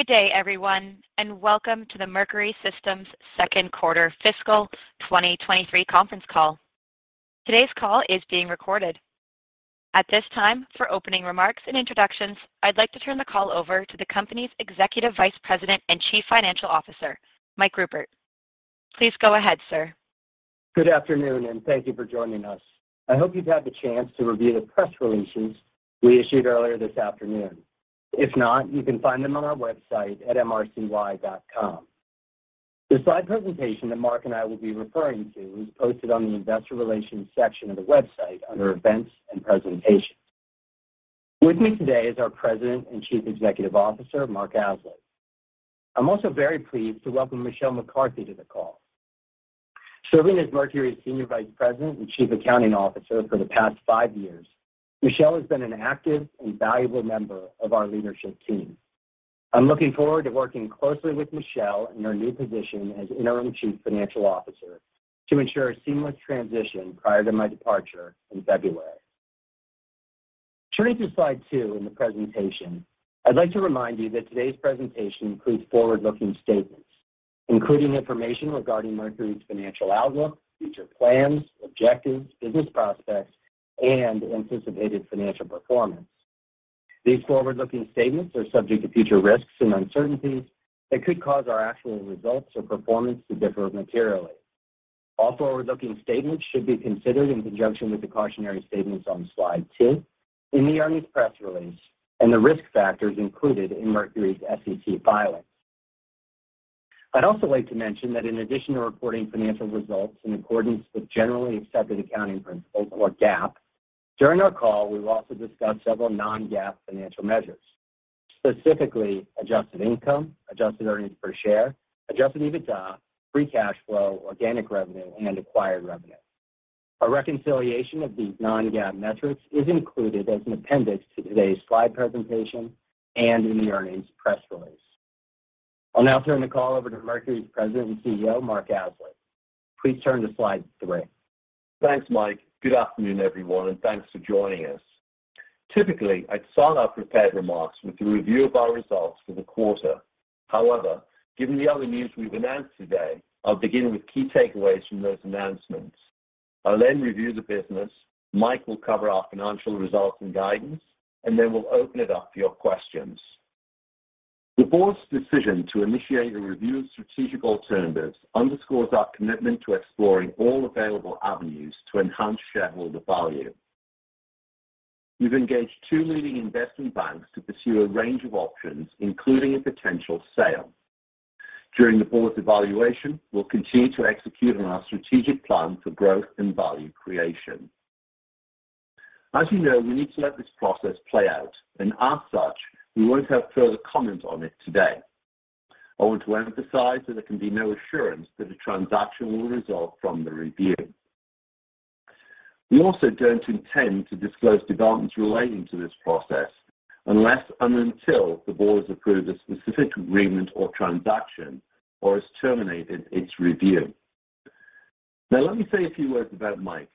Good day everyone, welcome to the Mercury Systems second quarter fiscal 2023 conference call. Today's call is being recorded. At this time, for opening remarks and introductions, I'd like to turn the call over to the company's Executive Vice President and Chief Financial Officer, Mike Ruppert. Please go ahead, sir. Good afternoon, and thank you for joining us. I hope you've had the chance to review the press releases we issued earlier this afternoon. If not, you can find them on our website at mrcy.com. The slide presentation that Mark and I will be referring to is posted on the investor relations section of the website under events and presentations. With me today is our President and Chief Executive Officer, Mark Aslett. I'm also very pleased to welcome Michelle McCarthy to the call. Serving as Mercury's Senior Vice President and Chief Accounting Officer for the past five years, Michelle has been an active and valuable member of our leadership team. I'm looking forward to working closely with Michelle in her new position as Interim Chief Financial Officer to ensure a seamless transition prior to my departure in February. Turning to slide two in the presentation, I'd like to remind you that today's presentation includes forward-looking statements, including information regarding Mercury's financial outlook, future plans, objectives, business prospects, and anticipated financial performance. These forward-looking statements are subject to future risks and uncertainties that could cause our actual results or performance to differ materially. All forward-looking statements should be considered in conjunction with the cautionary statements on slide two in the earnings press release and the risk factors included in Mercury's SEC filings. I'd also like to mention that in addition to reporting financial results in accordance with generally accepted accounting principles or GAAP, during our call, we will also discuss several non-GAAP financial measures, specifically adjusted income, adjusted earnings per share, adjusted EBITDA, free cash flow, organic revenue, and acquired revenue. A reconciliation of these non-GAAP metrics is included as an appendix to today's slide presentation and in the earnings press release. I'll now turn the call over to Mercury's President and CEO, Mark Aslett. Please turn to slide three. Thanks, Mike. Good afternoon, everyone, and thanks for joining us. Typically, I'd start our prepared remarks with a review of our results for the quarter. However, given the other news we've announced today, I'll begin with key takeaways from those announcements. I'll then review the business, Mike will cover our financial results and guidance, and then we'll open it up to your questions. The board's decision to initiate a review of strategic alternatives underscores our commitment to exploring all available avenues to enhance shareholder value. We've engaged two leading investment banks to pursue a range of options, including a potential sale. During the board's evaluation, we'll continue to execute on our strategic plan for growth and value creation. As you know, we need to let this process play out, and as such, we won't have further comment on it today. I want to emphasize that there can be no assurance that a transaction will result from the review. We also don't intend to disclose developments relating to this process unless and until the board has approved a specific agreement or transaction or has terminated its review. Let me say a few words about Mike.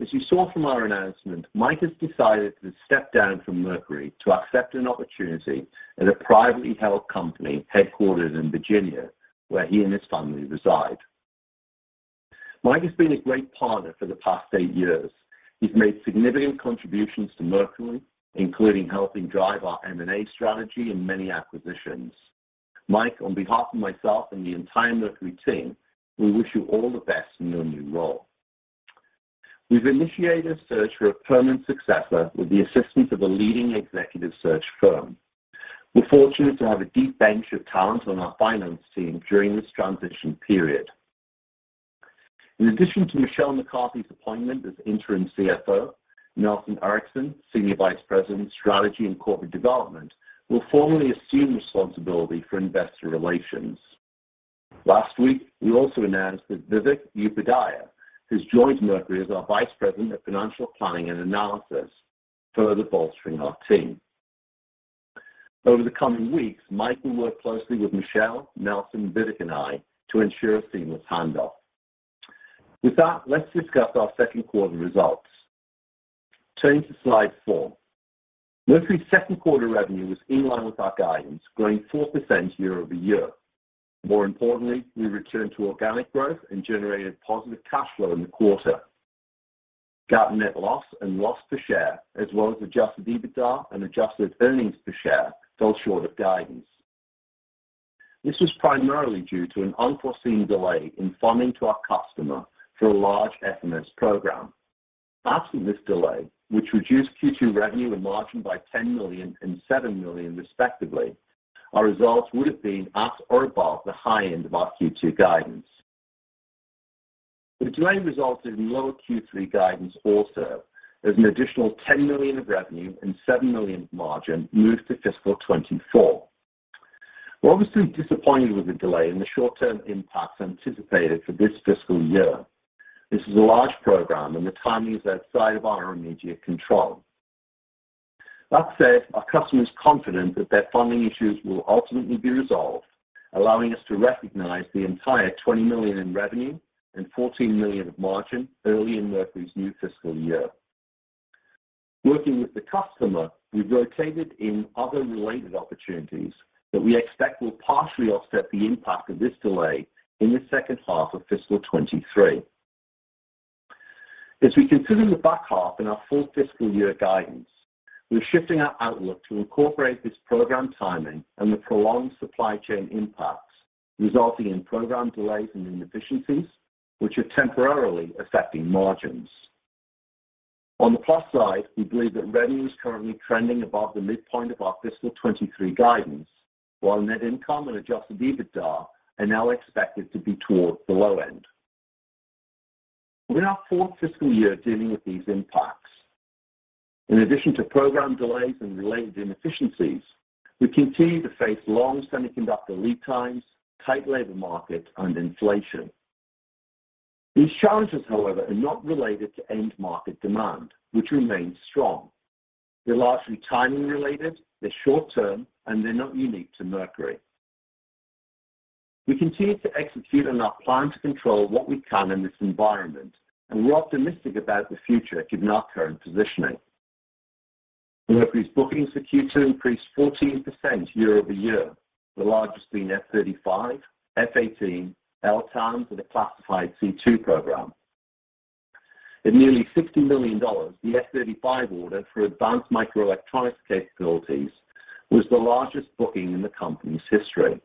As you saw from our announcement, Mike has decided to step down from Mercury to accept an opportunity at a privately held company headquartered in Virginia, where he and his family reside. Mike has been a great partner for the past eight years. He's made significant contributions to Mercury, including helping drive our M&A strategy and many acquisitions. Mike, on behalf of myself and the entire Mercury team, we wish you all the best in your new role. We've initiated a search for a permanent successor with the assistance of a leading executive search firm. We're fortunate to have a deep bench of talent on our finance team during this transition period. In addition to Michelle McCarthy's appointment as interim CFO, Nelson Erickson, Senior Vice President of Strategy and Corporate Development, will formally assume responsibility for investor relations. Last week, we also announced that Vivek Upadhyaya, who's joined Mercury as our Vice President of Financial Planning and Analysis, further bolstering our team. Over the coming weeks, Mike will work closely with Michelle, Nelson, Vivek, and I to ensure a seamless handoff. With that, let's discuss our second quarter results. Turning to slide four. Mercury's second quarter revenue was in line with our guidance, growing 4% year-over-year. More importantly, we returned to organic growth and generated positive cash flow in the quarter. GAAP net loss and loss per share, as well as adjusted EBITDA and adjusted earnings per share, fell short of guidance. This was primarily due to an unforeseen delay in funding to our customer for a large FMS program. Absent this delay, which reduced Q2 revenue and margin by $10 million and $7 million respectively, our results would have been at or above the high end of our Q2 guidance. The delay resulted in lower Q3 guidance also, as an additional $10 million of revenue and $7 million of margin moved to fiscal 2024. We're obviously disappointed with the delay and the short-term impacts anticipated for this fiscal year. This is a large program, and the timing is outside of our immediate control. Our customer is confident that their funding issues will ultimately be resolved, allowing us to recognize the entire $20 million in revenue and $14 million of margin early in Mercury's new fiscal year. Working with the customer, we've rotated in other related opportunities that we expect will partially offset the impact of this delay in the second half of fiscal 2023. We consider the back half in our full fiscal year guidance, we're shifting our outlook to incorporate this program timing and the prolonged supply chain impacts, resulting in program delays and inefficiencies which are temporarily affecting margins. We believe that revenue is currently trending above the midpoint of our fiscal 2023 guidance, while net income and adjusted EBITDA are now expected to be towards the low end. We're in our fourth fiscal year dealing with these impacts. In addition to program delays and related inefficiencies, we continue to face long semiconductor lead times, tight labor market, and inflation. These challenges, however, are not related to end market demand, which remains strong. They're largely timing related, they're short term, and they're not unique to Mercury. We continue to execute on our plan to control what we can in this environment, and we're optimistic about the future given our current positioning. Mercury's bookings for Q2 increased 14% year-over-year, the largest being F-35, F/A-18, LTAMDS, and a classified C2 program. At nearly $60 million, the F-35 order for advanced microelectronics capabilities was the largest booking in the company's history.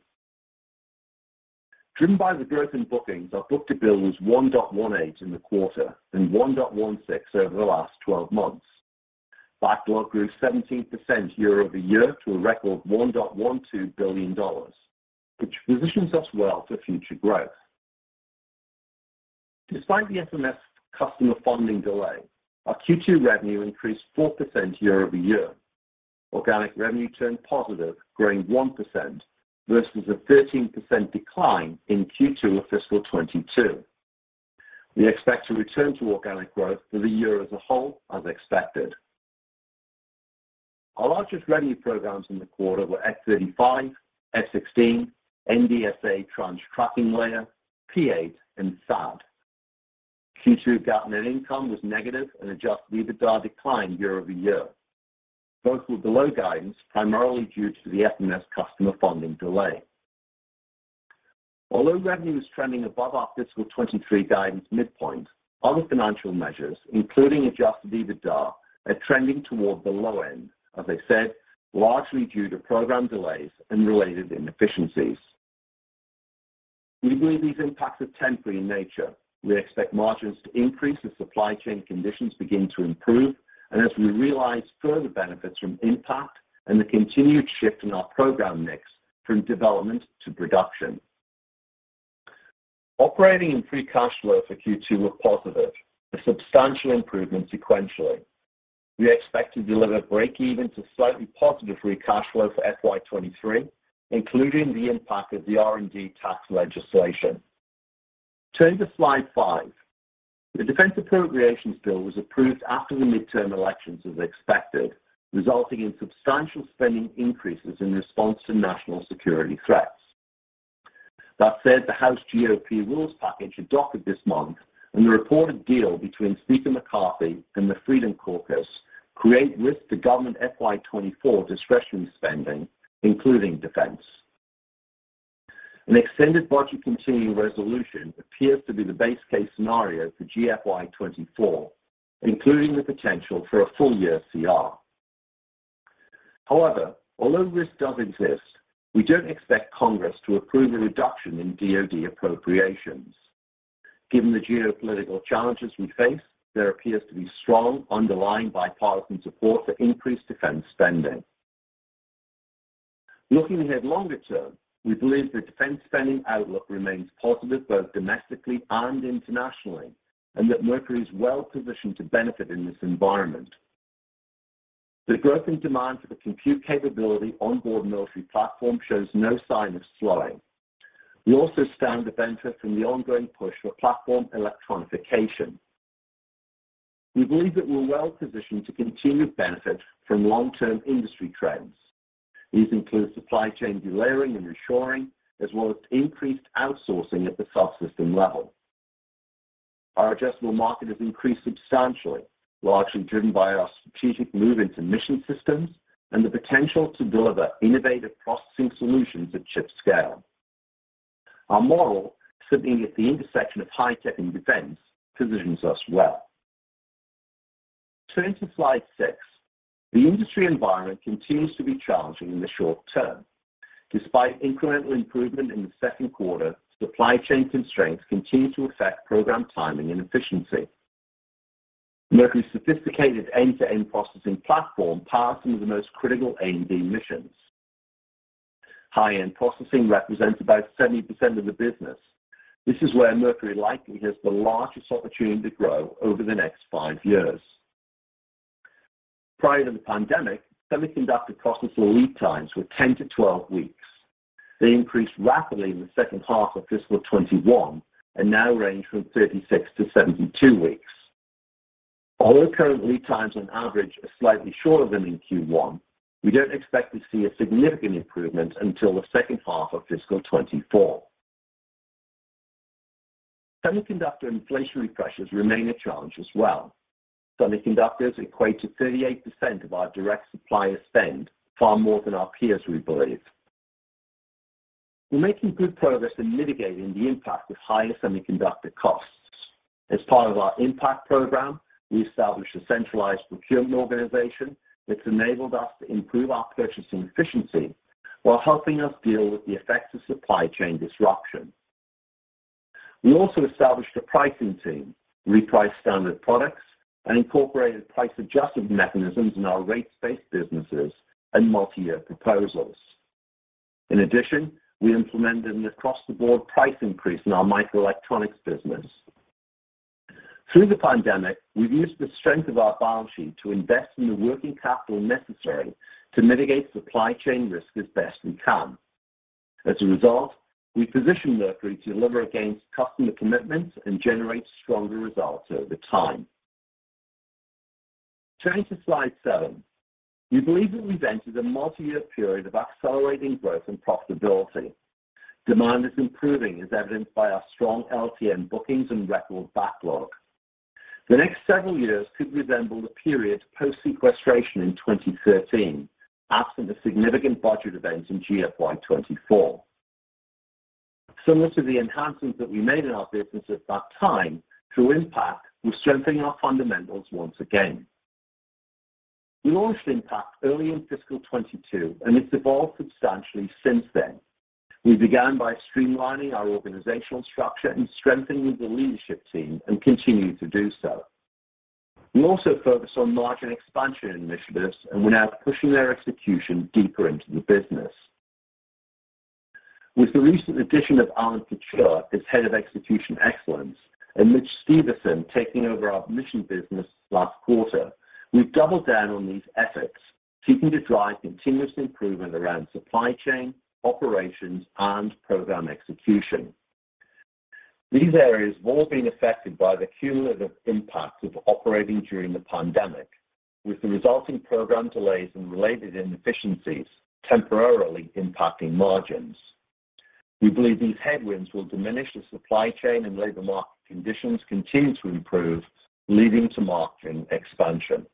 Driven by the growth in bookings, our book-to-bill was 1.18 in the quarter and 1.16 over the last 12 months. Backlog grew 17% year-over-year to a record $1.12 billion, which positions us well for future growth. Despite the FMS customer funding delay, our Q2 revenue increased 4% year-over-year. Organic revenue turned positive, growing 1% versus a 13% decline in Q2 of fiscal 22. We expect to return to organic growth for the year as a whole, as expected. Our largest revenue programs in the quarter were F-35, F-16, SDA Tranche Tracking Layer, P-8, and THAAD. Q2 GAAP net income was negative, and adjusted EBITDA declined year-over-year. Both were below guidance, primarily due to the FMS customer funding delay. Although revenue is trending above our fiscal 23 guidance midpoint, other financial measures, including adjusted EBITDA, are trending toward the low end, as I said, largely due to program delays and related inefficiencies. We believe these impacts are temporary in nature. We expect margins to increase as supply chain conditions begin to improve and as we realize further benefits from 1MPACT and the continued shift in our program mix from development to production. Operating and free cash flow for Q2 were positive, a substantial improvement sequentially. We expect to deliver breakeven to slightly positive free cash flow for FY 2023, including the impact of the R&D tax legislation. Turning to slide five. The Defense Appropriations Bill was approved after the midterm elections as expected, resulting in substantial spending increases in response to national security threats. The House GOP rules package adopted this month and the reported deal between Speaker McCarthy and the Freedom Caucus create risk to government FY 2024 discretionary spending, including defense. An extended budget continuing resolution appears to be the base case scenario for GFY 2024, including the potential for a full year CR. However, although risk does exist, we don't expect Congress to approve a reduction in DoD appropriations. Given the geopolitical challenges we face, there appears to be strong underlying bipartisan support for increased defense spending. Looking ahead longer term, we believe the defense spending outlook remains positive both domestically and internationally, and that Mercury is well positioned to benefit in this environment. The growth in demand for the compute capability onboard military platform shows no sign of slowing. We also stand to benefit from the ongoing push for platform electronification. We believe that we're well positioned to continue to benefit from long-term industry trends. These include supply chain delayering and reshoring, as well as increased outsourcing at the subsystem level. Our addressable market has increased substantially, largely driven by our strategic move into mission systems and the potential to deliver innovative processing solutions at chip scale. Our model, sitting at the intersection of high tech and defense, positions us well. Turning to slide six. The industry environment continues to be challenging in the short term. Despite incremental improvement in the second quarter, supply chain constraints continue to affect program timing and efficiency. Mercury Systems' sophisticated end-to-end processing platform powers some of the most critical Class A and B missions. High-end processing represents about 70% of the business. This is where Mercury Systems likely has the largest opportunity to grow over the next five years. Prior to the pandemic, semiconductor processor lead times were 10-12 weeks. They increased rapidly in the second half of fiscal 2021 and now range from 36-72 weeks. Although current lead times on average are slightly shorter than in Q1, we don't expect to see a significant improvement until the second half of fiscal 2024. Semiconductor inflationary pressures remain a challenge as well. Semiconductors equate to 38% of our direct supplier spend, far more than our peers, we believe. We're making good progress in mitigating the impact of higher semiconductor costs. As part of our Impact program, we established a centralized procurement organization that's enabled us to improve our purchasing efficiency while helping us deal with the effects of supply chain disruption. We also established a pricing team, repriced standard products, and incorporated price adjustment mechanisms in our rates-based businesses and multi-year proposals. We implemented an across-the-board price increase in our microelectronics business. Through the pandemic, we've used the strength of our balance sheet to invest in the working capital necessary to mitigate supply chain risk as best we can. As a result, we position Mercury to deliver against customer commitments and generate stronger results over time. Turning to slide seven. We believe that we've entered a multi-year period of accelerating growth and profitability. Demand is improving, as evidenced by our strong LTM bookings and record backlog. The next several years could resemble the period post-sequestration in 2013, absent a significant budget event in GFY 2024. Similar to the enhancements that we made in our business at that time, through Impact, we're strengthening our fundamentals once again. We launched Impact early in fiscal 2022, and it's evolved substantially since then. We began by streamlining our organizational structure and strengthening the leadership team and continue to do so. We also focus on margin expansion initiatives, we're now pushing their execution deeper into the business. With the recent addition of Alan Fichera as Head of Execution Excellence and Mitch Stevison taking over our mission business last quarter, we've doubled down on these efforts, seeking to drive continuous improvement around supply chain, operations, and program execution. These areas have all been affected by the cumulative impacts of operating during the pandemic, with the resulting program delays and related inefficiencies temporarily impacting margins. We believe these headwinds will diminish as supply chain and labor market conditions continue to improve, leading to margin expansion.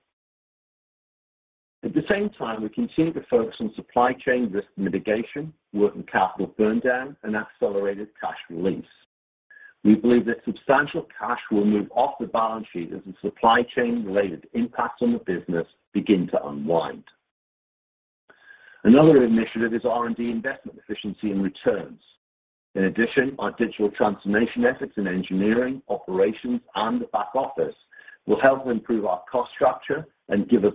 At the same time, we continue to focus on supply chain risk mitigation, working capital burn down, and accelerated cash release. We believe that substantial cash will move off the balance sheet as the supply chain-related impacts on the business begin to unwind. Another initiative is R&D investment efficiency and returns. In addition, our digital transformation efforts in engineering, operations, and the back office will help improve our cost structure and give us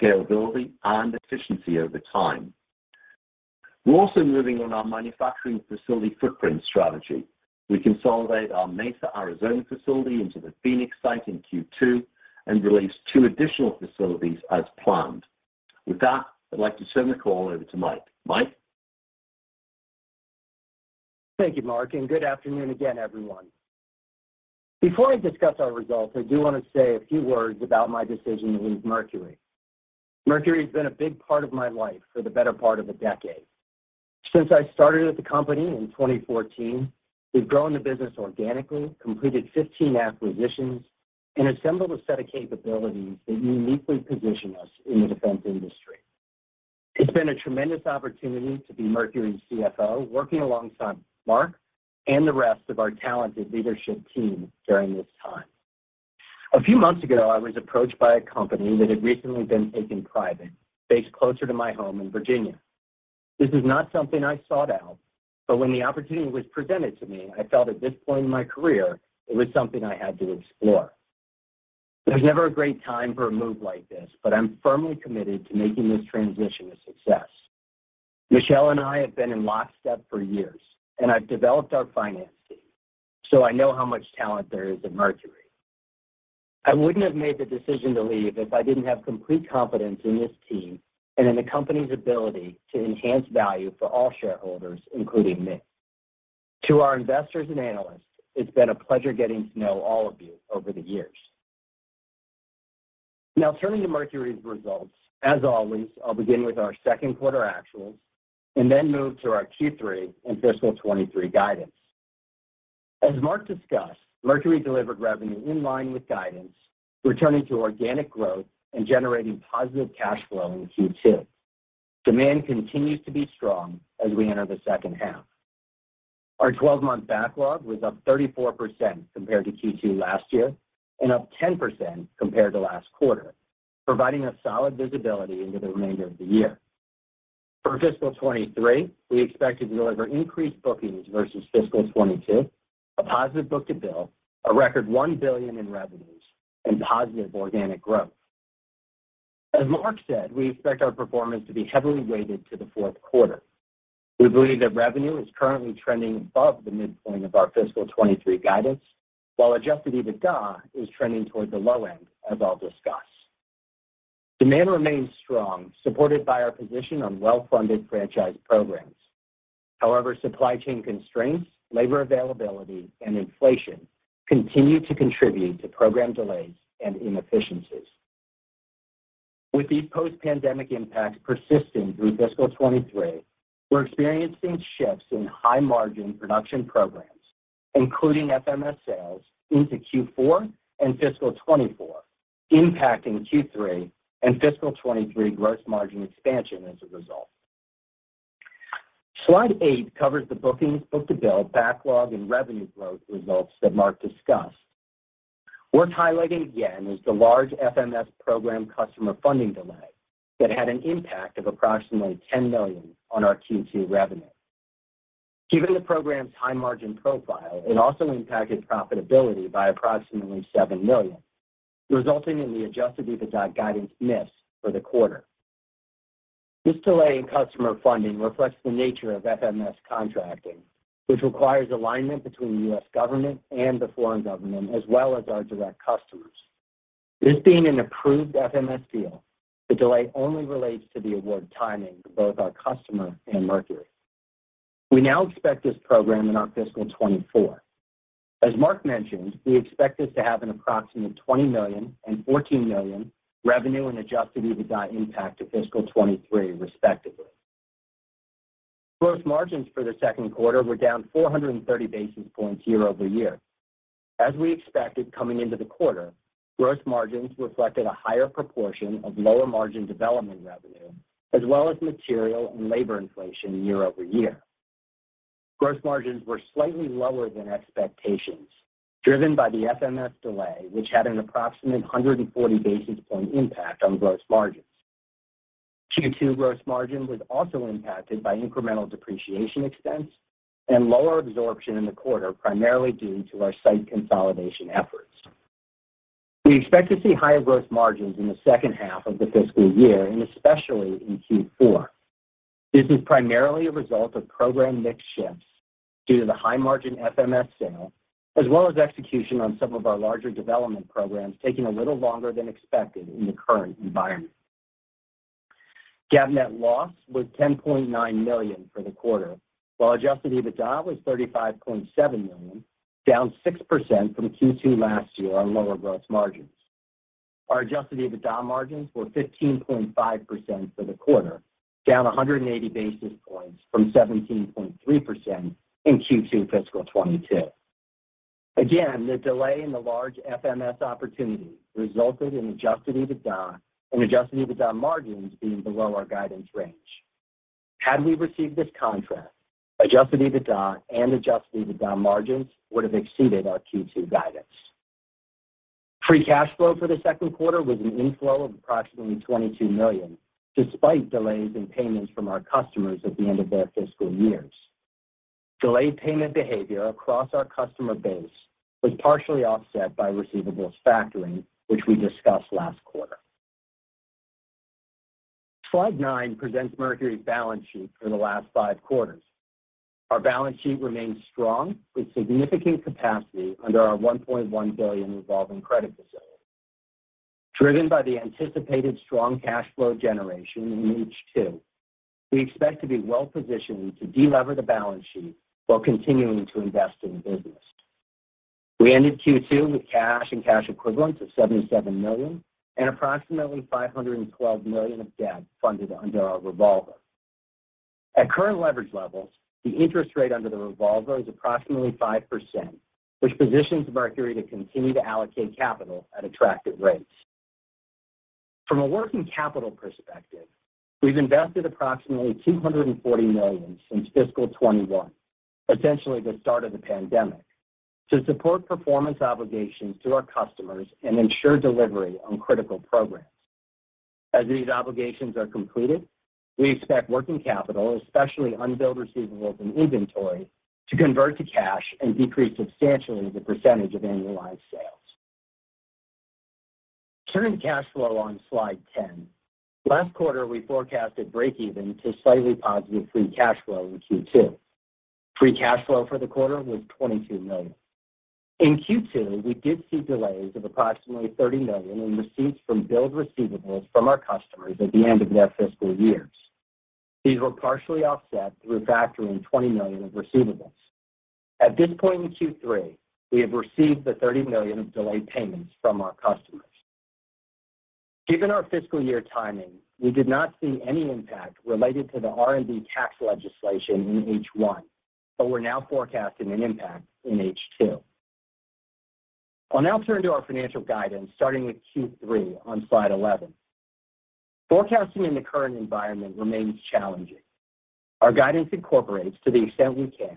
better productivity, scalability, and efficiency over time. We're also moving on our manufacturing facility footprint strategy. We consolidate our Mesa, Arizona facility into the Phoenix site in Q2 and release two additional facilities as planned. With that, I'd like to turn the call over to Mike. Mike? Thank you, Mark, and good afternoon again, everyone. Before I discuss our results, I do want to say a few words about my decision to leave Mercury. Mercury has been a big part of my life for the better part of a decade. Since I started at the company in 2014, we've grown the business organically, completed 15 acquisitions, and assembled a set of capabilities that uniquely position us in the defense industry. It's been a tremendous opportunity to be Mercury's CFO, working alongside Mark and the rest of our talented leadership team during this time. A few months ago, I was approached by a company that had recently been taken private, based closer to my home in Virginia. This is not something I sought out, but when the opportunity was presented to me, I felt at this point in my career it was something I had to explore. There's never a great time for a move like this, I'm firmly committed to making this transition a success. Michelle McCarthy and I have been in lockstep for years, and I've developed our finance team, so I know how much talent there is at Mercury Systems. I wouldn't have made the decision to leave if I didn't have complete confidence in this team and in the company's ability to enhance value for all shareholders, including me. To our investors and analysts, it's been a pleasure getting to know all of you over the years. Turning to Mercury Systems' results, as always, I'll begin with our second quarter actuals and then move to our Q3 and fiscal 2023 guidance. As Mark Aslett discussed, Mercury Systems delivered revenue in line with guidance, returning to organic growth and generating positive cash flow in Q2. Demand continues to be strong as we enter the second half. Our 12-month backlog was up 34% compared to Q2 last year and up 10% compared to last quarter, providing us solid visibility into the remainder of the year. For fiscal 2023, we expect to deliver increased bookings versus fiscal 2022, a positive book-to-bill, a record $1 billion in revenues, and positive organic growth. As Mark said, we expect our performance to be heavily weighted to the fourth quarter. We believe that revenue is currently trending above the midpoint of our fiscal 2023 guidance, while adjusted EBITDA is trending toward the low end, as I'll discuss. Demand remains strong, supported by our position on well-funded franchise programs. Supply chain constraints, labor availability, and inflation continue to contribute to program delays and inefficiencies. With these post-pandemic impacts persisting through fiscal 2023, we're experiencing shifts in high margin production programs, including FMS sales into Q4 and fiscal 2024, impacting Q3 and fiscal 2023 gross margin expansion as a result. Slide 8 covers the bookings, book-to-bill, backlog, and revenue growth results that Mark discussed. Worth highlighting again is the large FMS program customer funding delay that had an impact of approximately $10 million on our Q2 revenue. Given the program's high margin profile, it also impacted profitability by approximately $7 million, resulting in the adjusted EBITDA guidance miss for the quarter. This delay in customer funding reflects the nature of FMS contracting, which requires alignment between the U.S. government and the foreign government, as well as our direct customers. This being an approved FMS deal, the delay only relates to the award timing for both our customer and Mercury. We now expect this program in our fiscal 2024. As Mark Aslett mentioned, we expect this to have an approximate $20 million and $14 million revenue and adjusted EBITDA impact to fiscal 2023, respectively. Gross margins for the second quarter were down 430 basis points year-over-year. As we expected coming into the quarter, gross margins reflected a higher proportion of lower margin development revenue as well as material and labor inflation year-over-year. Gross margins were slightly lower than expectations, driven by the FMS delay, which had an approximate 140 basis point impact on gross margins. Q2 gross margin was also impacted by incremental depreciation expense and lower absorption in the quarter, primarily due to our site consolidation efforts. We expect to see higher gross margins in the second half of the fiscal year and especially in Q4. This is primarily a result of program mix shifts due to the high margin FMS sale, as well as execution on some of our larger development programs taking a little longer than expected in the current environment. GAAP net loss was $10.9 million for the quarter, while adjusted EBITDA was $35.7 million, down 6% from Q2 last year on lower gross margins. Our adjusted EBITDA margins were 15.5% for the quarter, down 180 basis points from 17.3% in Q2 fiscal 2022. Again, the delay in the large FMS opportunity resulted in adjusted EBITDA and adjusted EBITDA margins being below our guidance range. Had we received this contract, adjusted EBITDA and adjusted EBITDA margins would have exceeded our Q2 guidance. Free cash flow for the second quarter was an inflow of approximately $22 million, despite delays in payments from our customers at the end of their fiscal years. Delayed payment behavior across our customer base was partially offset by receivables factoring, which we discussed last quarter. Slide 9 presents Mercury's balance sheet for the last five quarters. Our balance sheet remains strong with significant capacity under our $1.1 billion revolving credit facility. Driven by the anticipated strong cash flow generation in H2, we expect to be well-positioned to de-lever the balance sheet while continuing to invest in the business. We ended Q2 with cash and cash equivalents of $77 million and approximately $512 million of debt funded under our revolver. At current leverage levels, the interest rate under the revolver is approximately 5%, which positions Mercury to continue to allocate capital at attractive rates. From a working capital perspective, we've invested approximately $240 million since fiscal 2021, essentially the start of the pandemic, to support performance obligations to our customers and ensure delivery on critical programs. As these obligations are completed, we expect working capital, especially unbilled receivables and inventory, to convert to cash and decrease substantially the percentage of annualized sales. Turning to cash flow on slide 10. Last quarter, we forecasted breakeven to slightly positive free cash flow in Q2. Free cash flow for the quarter was $22 million. In Q2, we did see delays of approximately $30 million in receipts from billed receivables from our customers at the end of their fiscal years. These were partially offset through factoring $20 million of receivables. At this point in Q3, we have received the $30 million of delayed payments from our customers. Given our fiscal year timing, we did not see any impact related to the R&D tax legislation in H1, but we're now forecasting an impact in H2. I'll now turn to our financial guidance, starting with Q3 on slide 11. Forecasting in the current environment remains challenging. Our guidance incorporates, to the extent we can,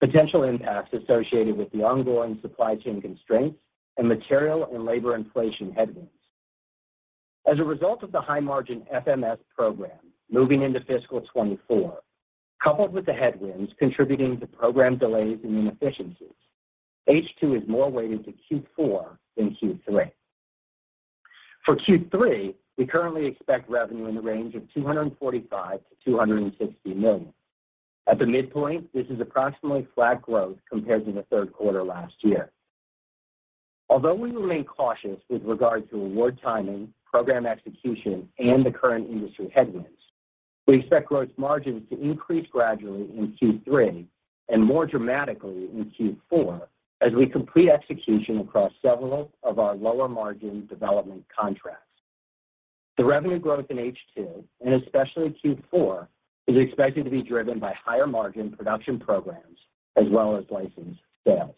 potential impacts associated with the ongoing supply chain constraints and material and labor inflation headwinds. As a result of the high margin FMS program moving into fiscal 2024, coupled with the headwinds contributing to program delays and inefficiencies, H2 is more weighted to Q4 than Q3. For Q3, we currently expect revenue in the range of $245 million-$260 million. At the midpoint, this is approximately flat growth compared to the third quarter last year. Although we remain cautious with regard to award timing, program execution, and the current industry headwinds. We expect gross margins to increase gradually in Q3 and more dramatically in Q4 as we complete execution across several of our lower margin development contracts. The revenue growth in H2, and especially Q4, is expected to be driven by higher margin production programs as well as license sales.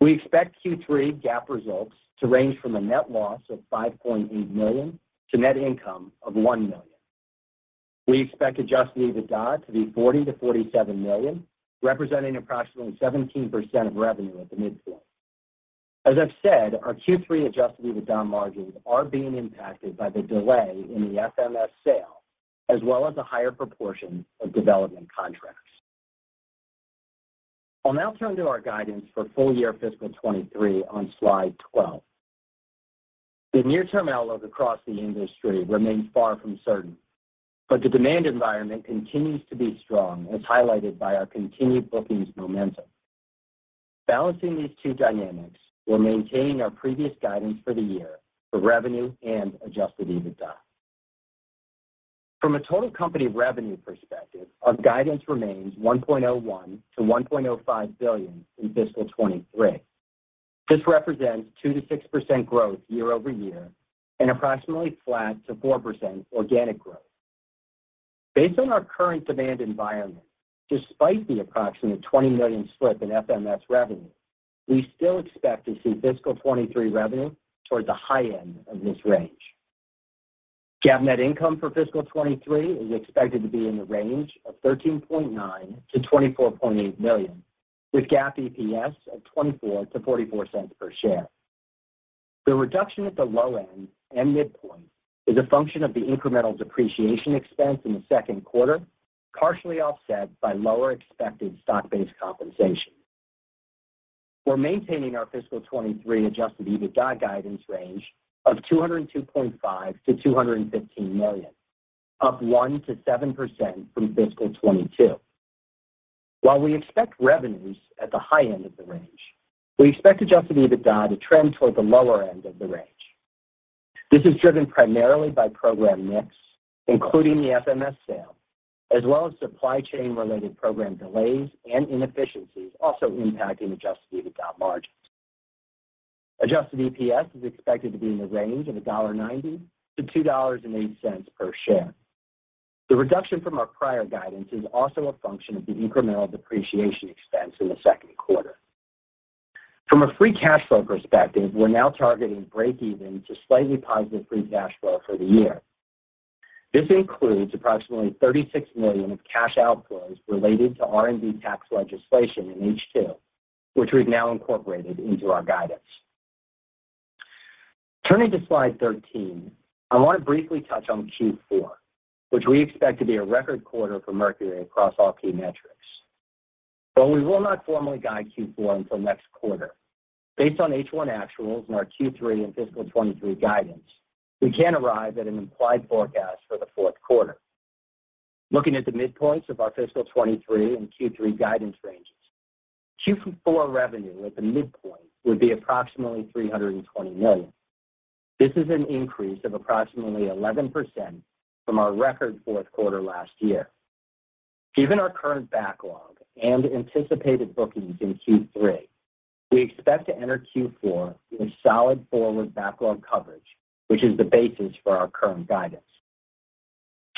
We expect Q3 GAAP results to range from a net loss of $5.8 million to net income of $1 million. We expect adjusted EBITDA to be $40 million-$47 million, representing approximately 17% of revenue at the midpoint. As I've said, our Q3 adjusted EBITDA margins are being impacted by the delay in the FMS sale as well as a higher proportion of development contracts. I'll now turn to our guidance for full year fiscal 2023 on slide 12. The near-term outlook across the industry remains far from certain, the demand environment continues to be strong, as highlighted by our continued bookings momentum. Balancing these two dynamics, we're maintaining our previous guidance for the year for revenue and adjusted EBITDA. From a total company revenue perspective, our guidance remains $1.01 billion-$1.05 billion in fiscal 2023. This represents 2%-6% growth year-over-year and approximately flat to 4% organic growth. Based on our current demand environment, despite the approximate $20 million slip in FMS revenue, we still expect to see fiscal 2023 revenue towards the high end of this range. GAAP net income for fiscal 2023 is expected to be in the range of $13.9 million-$24.8 million, with GAAP EPS of $0.24-$0.44 per share. The reduction at the low end and midpoint is a function of the incremental depreciation expense in the second quarter, partially offset by lower expected stock-based compensation. We're maintaining our fiscal 2023 adjusted EBITDA guidance range of $202.5 million-$215 million, up 1%-7% from fiscal 2022. While we expect revenues at the high end of the range, we expect adjusted EBITDA to trend toward the lower end of the range. This is driven primarily by program mix, including the FMS sale, as well as supply chain-related program delays and inefficiencies also impacting adjusted EBITDA margins. Adjusted EPS is expected to be in the range of $1.90-$2.08 per share. The reduction from our prior guidance is also a function of the incremental depreciation expense in the second quarter. From a free cash flow perspective, we're now targeting breakeven to slightly positive free cash flow for the year. This includes approximately $36 million of cash outflows related to R&D tax legislation in H2, which we've now incorporated into our guidance. Turning to slide 13, I want to briefly touch on Q4, which we expect to be a record quarter for Mercury across all key metrics. While we will not formally guide Q4 until next quarter, based on H1 actuals and our Q3 and fiscal 2023 guidance, we can arrive at an implied forecast for the fourth quarter. Looking at the midpoints of our fiscal 2023 and Q3 guidance ranges, Q4 revenue at the midpoint would be approximately $320 million. This is an increase of approximately 11% from our record fourth quarter last year. Given our current backlog and anticipated bookings in Q3, we expect to enter Q4 with solid forward backlog coverage, which is the basis for our current guidance.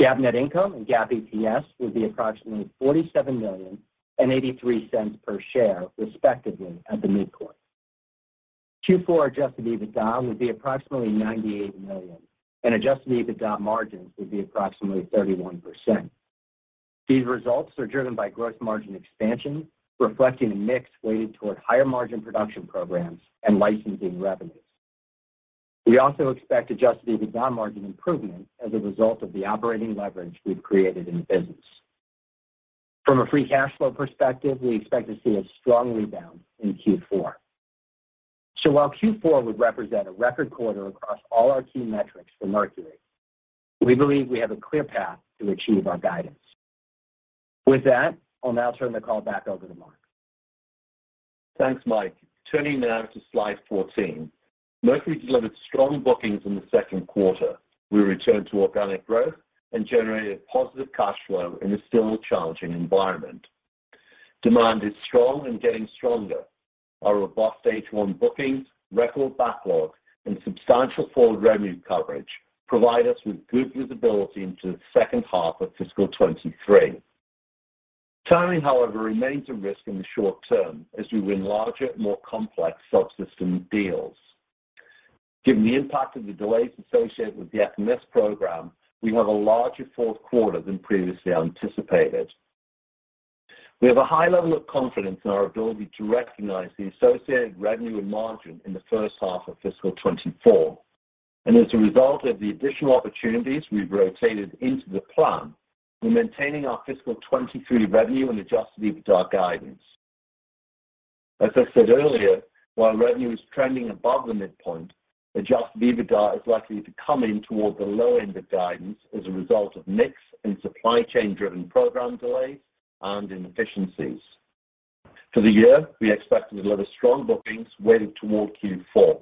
GAAP net income and GAAP EPS will be approximately $47 million and $0.83 per share, respectively, at the midpoint. Q4 adjusted EBITDA would be approximately $98 million, and adjusted EBITDA margins would be approximately 31%. These results are driven by gross margin expansion, reflecting a mix weighted toward higher margin production programs and licensing revenues. We also expect adjusted EBITDA margin improvement as a result of the operating leverage we've created in the business. From a free cash flow perspective, we expect to see a strong rebound in Q4. While Q4 would represent a record quarter across all our key metrics for Mercury, we believe we have a clear path to achieve our guidance. With that, I'll now turn the call back over to Mark. Thanks, Mike. Turning now to slide 14. Mercury delivered strong bookings in the second quarter. We returned to organic growth and generated positive cash flow in a still challenging environment. Demand is strong and getting stronger. Our robust H1 bookings, record backlogs, and substantial forward revenue coverage provide us with good visibility into the second half of fiscal 2023. Timing, however, remains a risk in the short term as we win larger and more complex subsystem deals. Given the impact of the delays associated with the FMS program, we have a larger fourth quarter than previously anticipated. We have a high level of confidence in our ability to recognize the associated revenue and margin in the first half of fiscal 2024. As a result of the additional opportunities we've rotated into the plan, we're maintaining our fiscal 2023 revenue and adjusted EBITDA guidance. As I said earlier, while revenue is trending above the midpoint, adjusted EBITDA is likely to come in toward the low end of guidance as a result of mix and supply chain-driven program delays and inefficiencies. For the year, we expect to deliver strong bookings weighted toward Q4.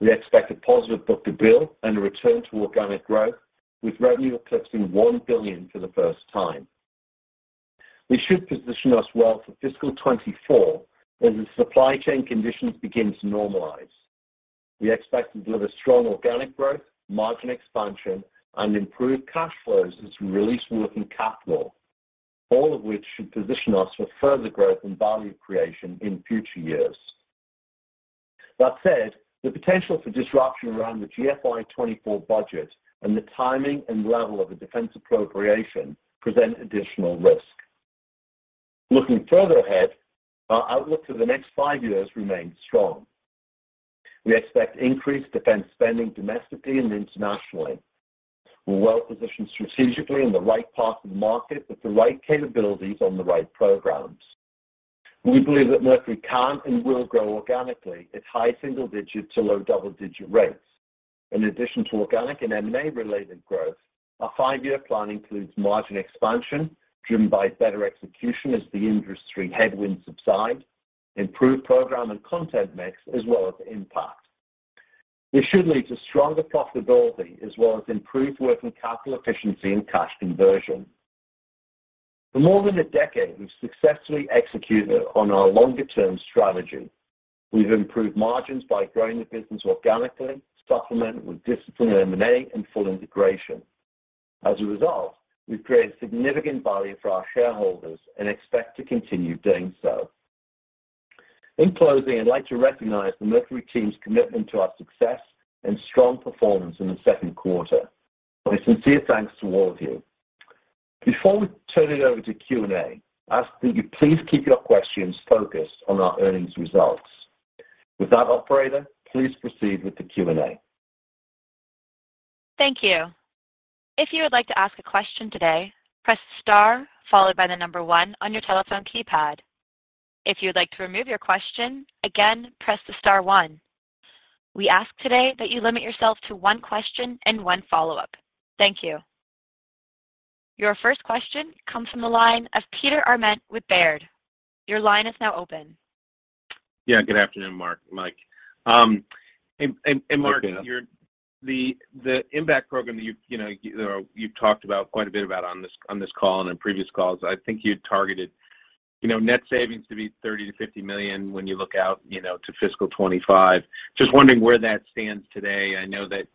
We expect a positive book-to-bill and a return to organic growth with revenue eclipsing $1 billion for the first time. This should position us well for fiscal 2024 as the supply chain conditions begin to normalize. We expect to deliver strong organic growth, margin expansion and improved cash flows as we release working capital, all of which should position us for further growth and value creation in future years. That said, the potential for disruption around the GFY 2024 budget and the timing and level of the defense appropriation present additional risk. Looking further ahead, our outlook for the next 5 years remains strong. We expect increased defense spending domestically and internationally. We're well-positioned strategically in the right part of the market with the right capabilities on the right programs. We believe that Mercury can and will grow organically at high single-digit to low double-digit rates. In addition to organic and M&A related growth, our 5-year plan includes margin expansion driven by better execution as the industry headwinds subside, improved program and content mix, as well as 1MPACT. This should lead to stronger profitability as well as improved working capital efficiency and cash conversion. For more than a decade, we've successfully executed on our longer-term strategy. We've improved margins by growing the business organically, supplemented with disciplined M&A and full integration. As a result, we've created significant value for our shareholders and expect to continue doing so. In closing, I'd like to recognize the Mercury team's commitment to our success and strong performance in the second quarter. My sincere thanks to all of you. Before we turn it over to Q&A, I ask that you please keep your questions focused on our earnings results. With that, operator, please proceed with the Q&A. Thank you. If you would like to ask a question today, press star followed by 1 on your telephone keypad. If you'd like to remove your question, again, press the star one. We ask today that you limit yourself to 1 question and 1 follow-up. Thank you. Your first question comes from the line of Peter Arment with Baird. Your line is now open. Yeah, good afternoon, Mark, Mike. Good day The 1MPACT program that you've, you know, you've talked about quite a bit about on this, on this call and in previous calls, I think you targeted, you know, net savings to be $30 million-$50 million when you look out, you know, to fiscal 25. Just wondering where that stands today. I know that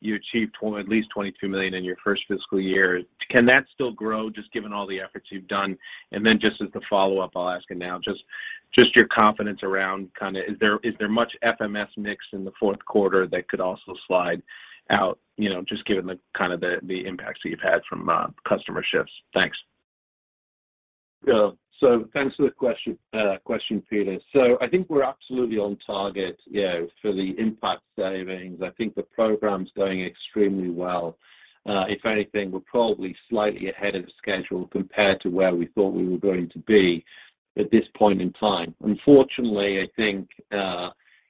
you achieved at least $22 million in your first fiscal year. Can that still grow, just given all the efforts you've done? As the follow-up, I'll ask you now, just your confidence around kinda is there much FMS mix in the fourth quarter that could also slide out, you know, just given the, kind of the impacts that you've had from customer shifts? Thanks. Thanks for the question, Peter. I think we're absolutely on target, you know, for the 1MPACT savings. I think the program's going extremely well. If anything, we're probably slightly ahead of schedule compared to where we thought we were going to be at this point in time. Unfortunately, I think,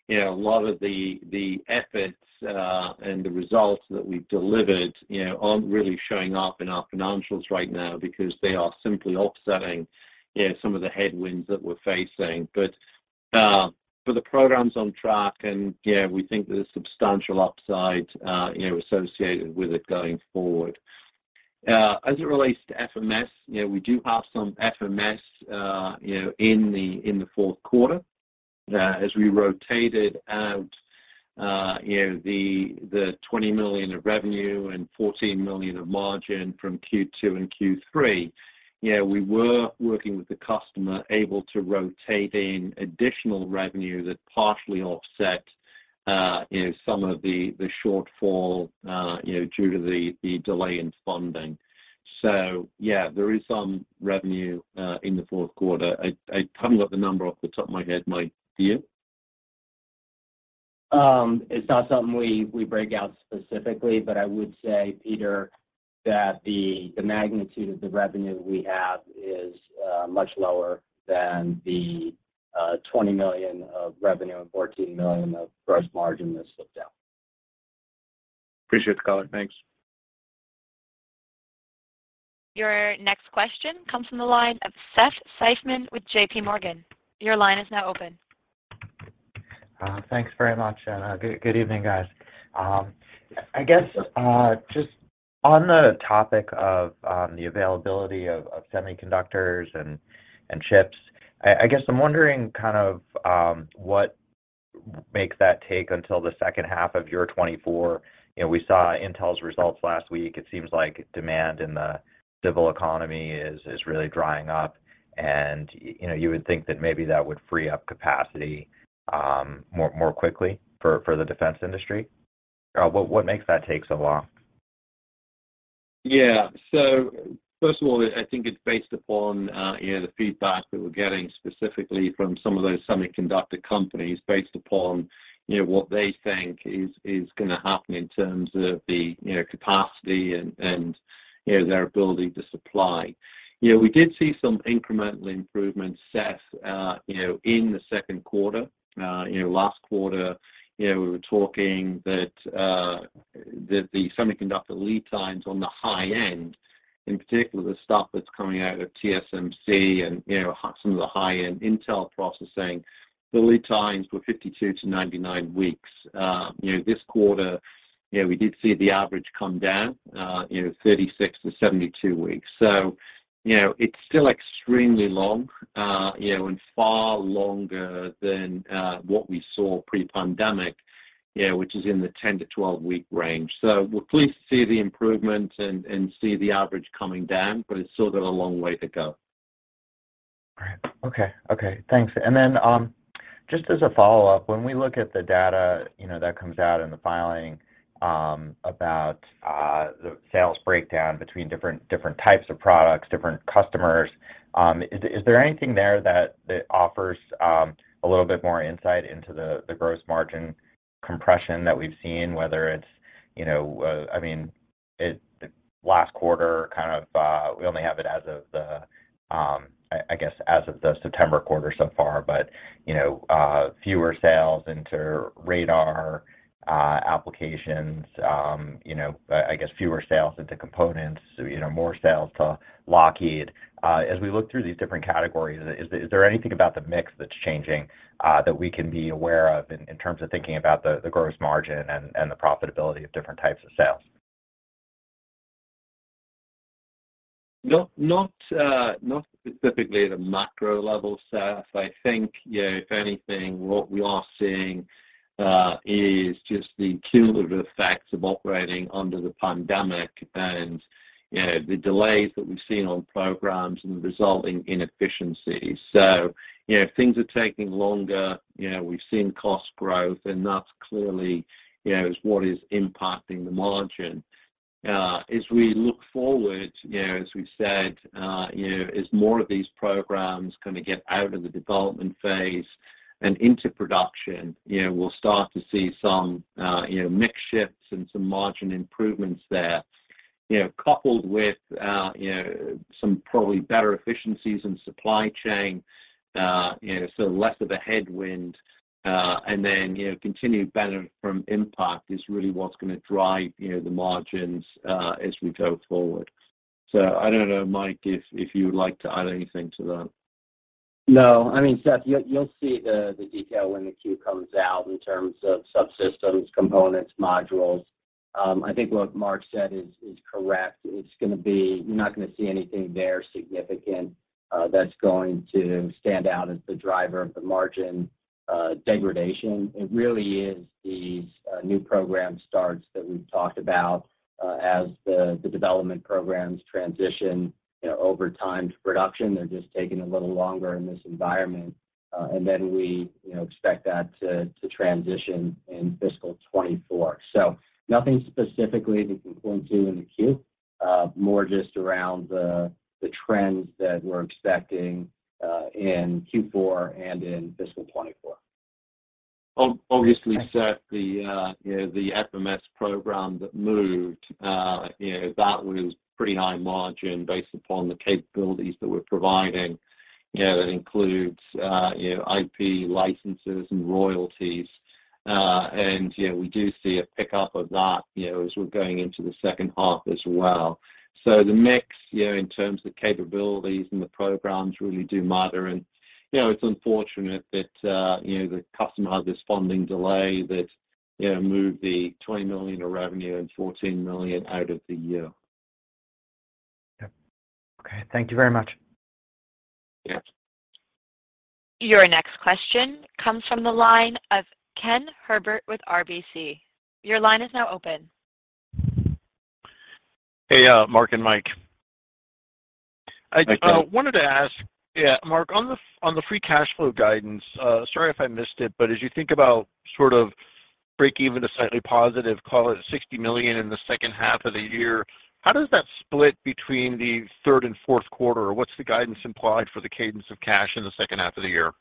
you know, a lot of the efforts and the results that we've delivered, you know, aren't really showing up in our financials right now because they are simply offsetting, you know, some of the headwinds that we're facing. For the programs on track and, yeah, we think there's substantial upside, you know, associated with it going forward. As it relates to FMS, you know, we do have some FMS, you know, in the fourth quarter. As we rotated out, you know, the $20 million of revenue and $14 million of margin from Q2 and Q3. You know, we were working with the customer able to rotate in additional revenue that partially offset, you know, some of the shortfall, you know, due to the delay in funding. Yeah, there is some revenue in the fourth quarter. I haven't got the number off the top of my head. Mike, do you? It's not something we break out specifically, but I would say, Peter, that the magnitude of the revenue we have is much lower than the $20 million of revenue and $14 million of gross margin that slipped out. Appreciate the color. Thanks. Your next question comes from the line of Seth Seifman with JPMorgan. Your line is now open. Thanks very much. Good evening, guys. I guess, just on the topic of the availability of semiconductors and chips. I guess I'm wondering kind of what makes that take until the second half of 2024. You know, we saw Intel's results last week. It seems like demand in the civil economy is really drying up. You know, you would think that maybe that would free up capacity more quickly for the defense industry. What makes that take so long? Yeah. First of all, I think it's based upon, you know, the feedback that we're getting specifically from some of those semiconductor companies based upon, you know, what they think is gonna happen in terms of the, you know, capacity and, you know, their ability to supply. You know, we did see some incremental improvements, Seth, you know, in the second quarter. You know, last quarter, you know, we were talking that the semiconductor lead times on the high end, in particular, the stuff that's coming out of TSMC and, you know, some of the high-end Intel processing, the lead times were 52-99 weeks. You know, this quarter, you know, we did see the average come down, you know, 36-72 weeks. You know, it's still extremely long, you know, and far longer than what we saw pre-pandemic, you know, which is in the 10-12-week range. We're pleased to see the improvement and see the average coming down, but it's still got a long way to go. All right. Okay. Okay. Thanks. Then, just as a follow-up, when we look at the data, you know, that comes out in the filing, about the sales breakdown between different types of products, different customers, is there anything there that offers a little bit more insight into the gross margin compression that we've seen, whether it's, you know, I mean, Last quarter kind of, we only have it as of the I guess, as of the September quarter so far, but, you know, fewer sales into radar applications, you know, I guess fewer sales into components, you know, more sales to Lockheed? As we look through these different categories, is there anything about the mix that's changing that we can be aware of in terms of thinking about the gross margin and the profitability of different types of sales? Not specifically at a macro level, Seth. I think, you know, if anything, what we are seeing, is just the cumulative effects of operating under the pandemic and, you know, the delays that we've seen on programs and the resulting inefficiencies. You know, things are taking longer. You know, we've seen cost growth, and that's clearly, you know, is what is impacting the margin. As we look forward, you know, as we've said, you know, as more of these programs kinda get out of the development phase and into production, you know, we'll start to see some, you know, mix shifts and some margin improvements there. You know, coupled with, you know, some probably better efficiencies in supply chain, you know, so less of a headwind, and then, you know, continued benefit from 1MPACT is really what's gonna drive, you know, the margins, as we go forward. I don't know, Mike, if you would like to add anything to that. No. I mean, Seth, you'll see the detail when the Q comes out in terms of subsystems, components, modules. I think what Mark said is correct. You're not gonna see anything there significant that's going to stand out as the driver of the margin degradation. It really is these new program starts that we've talked about. As the development programs transition, you know, over time to production, they're just taking a little longer in this environment. Then we, you know, expect that to transition in fiscal 2024. Nothing specifically that we can point to in the Q. More just around the trends that we're expecting in Q4 and in fiscal 2024. Obviously, Seth, the, you know, the FMS program that moved, you know, that was pretty high margin based upon the capabilities that we're providing. You know, that includes, you know, IP licenses and royalties. You know, we do see a pickup of that, you know, as we're going into the second half as well. The mix, you know, in terms of capabilities and the programs really do matter. You know, it's unfortunate that, you know, the customer had this funding delay that, you know, moved the $20 million of revenue and $14 million out of the year. Yeah. Okay. Thank you very much. Yeah. Your next question comes from the line of Ken Herbert with RBC. Your line is now open. Hey, Mark and Mike. Hi, Ken. I, wanted to ask, yeah, Mark, on the, on the free cash flow guidance, sorry if I missed it, but as you think about sort of break even to slightly positive, call it $60 million in the second half of the year, how does that split between the third and fourth quarter? What's the guidance implied for the cadence of cash in the second half of the year?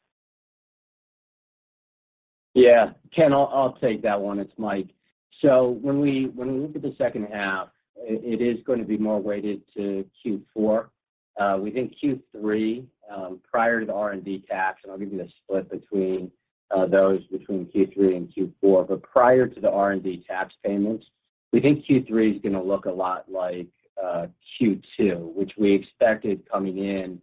Ken, I'll take that one. It's Mike. When we look at the second half, it is gonna be more weighted to Q4. We think Q3, prior to the R&D tax, I'll give you the split between those between Q3 and Q4. Prior to the R&D tax payments, we think Q3 is gonna look a lot like Q2, which we expected coming in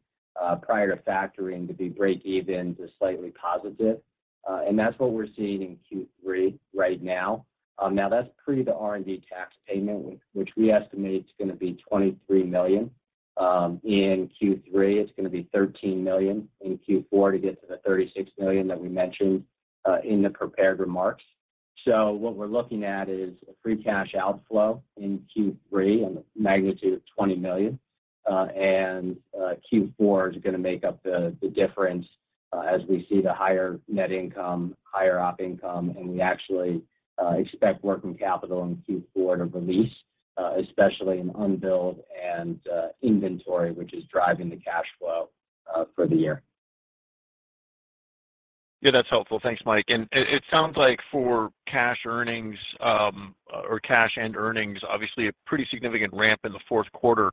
prior to factoring to be break-even to slightly positive. That's what we're seeing in Q3 right now. Now that's pre the R&D tax payment, which we estimate is gonna be $23 million. In Q3, it's gonna be $13 million in Q4 to get to the $36 million that we mentioned in the prepared remarks. What we're looking at is a free cash outflow in Q3 in the magnitude of $20 million. Q4 is gonna make up the difference as we see the higher net income, higher Op income, and we actually expect working capital in Q4 to release, especially in unbilled and inventory, which is driving the cash flow for the year. Yeah, that's helpful. Thanks, Mike. It, it sounds like for cash earnings, or cash and earnings, obviously a pretty significant ramp in the fourth quarter.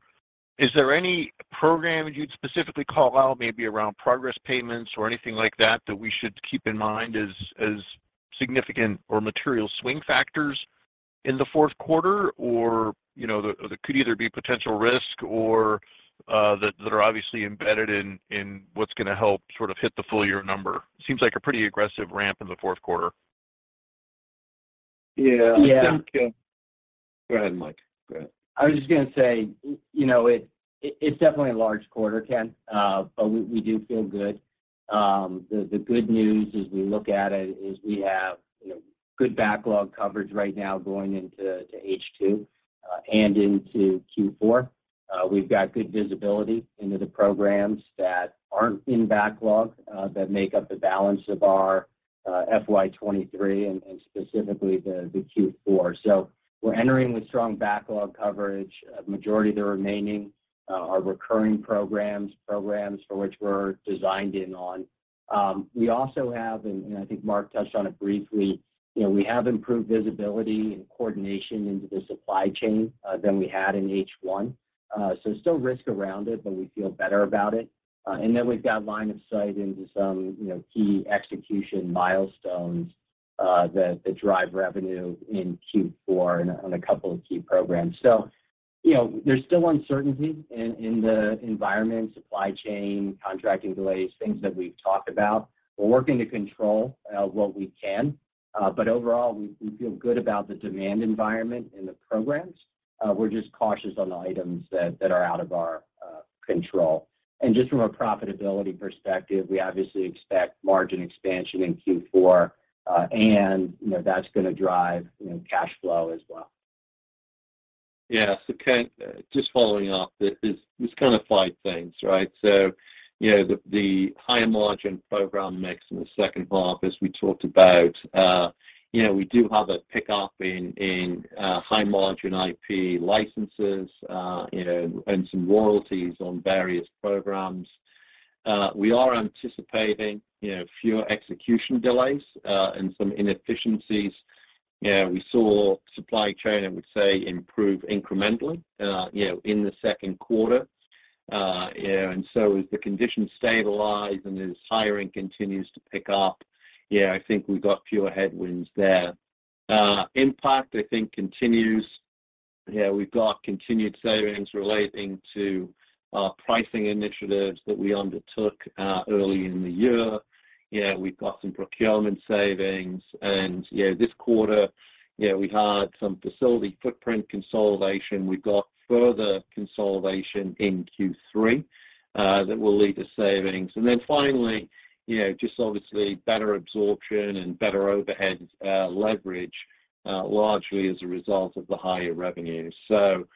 Is there any programs you'd specifically call out maybe around progress payments or anything like that we should keep in mind as significant or material swing factors in the fourth quarter? You know, that could either be potential risk or, that are obviously embedded in what's gonna help sort of hit the full year number. Seems like a pretty aggressive ramp in the fourth quarter. Yeah. Yeah. Go ahead, Mike. Go ahead. I was just gonna say, you know, it's definitely a large quarter, Ken. We, we do feel good. The, the good news as we look at it is we have, you know, good backlog coverage right now going into, to H2, and into Q4. We've got good visibility into the programs that aren't in backlog, that make up the balance of our, FY 2023 and specifically the Q4. We're entering with strong backlog coverage. A majority of the remaining, are recurring programs for which we're designed in on. We also have, and I think Mark touched on it briefly, you know, we have improved visibility and coordination into the supply chain, than we had in H1. Still risk around it, but we feel better about it. We've got line of sight into some, you know, key execution milestones that drive revenue in Q4 on a couple of key programs. You know, there's still uncertainty in the environment, supply chain, contracting delays, things that we've talked about. We're working to control what we can. Overall, we feel good about the demand environment and the programs. We're just cautious on the items that are out of our control. Just from a profitability perspective, we obviously expect margin expansion in Q4, and you know, that's gonna drive, you know, cash flow as well. Yeah. Ken, just following up. There's kind of five things, right? You know, the higher margin program mix in the second half, as we talked about. You know, we do have a pickup in high margin IP licenses, you know, and some royalties on various programs. We are anticipating, you know, fewer execution delays and some inefficiencies. We saw supply chain, I would say, improve incrementally, you know, in the second quarter. You know, as the conditions stabilize and as hiring continues to pick up, yeah, I think we've got fewer headwinds there. 1MPACT, I think, continues. Yeah, we've got continued savings relating to our pricing initiatives that we undertook early in the year. You know, we've got some procurement savings and, yeah, this quarter, you know, we had some facility footprint consolidation. We've got further consolidation in Q3, that will lead to savings. Finally, you know, just obviously better absorption and better overheads leverage, largely as a result of the higher revenue. You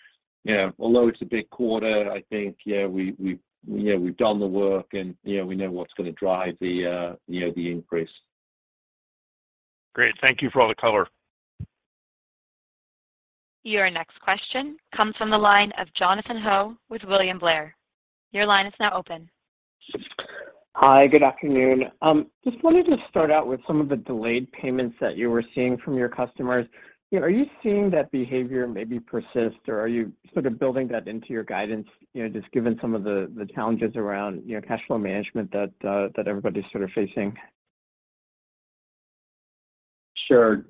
know, although it's a big quarter, I think, you know, we, you know, we've done the work and, you know, we know what's gonna drive the, you know, the increase. Great. Thank you for all the color. Your next question comes from the line of Jonathan Ho with William Blair. Your line is now open. Hi, good afternoon. Just wanted to start out with some of the delayed payments that you were seeing from your customers. You know, are you seeing that behavior maybe persist or are you sort of building that into your guidance, you know, just given some of the challenges around, you know, cash flow management that everybody's sort of facing? Sure,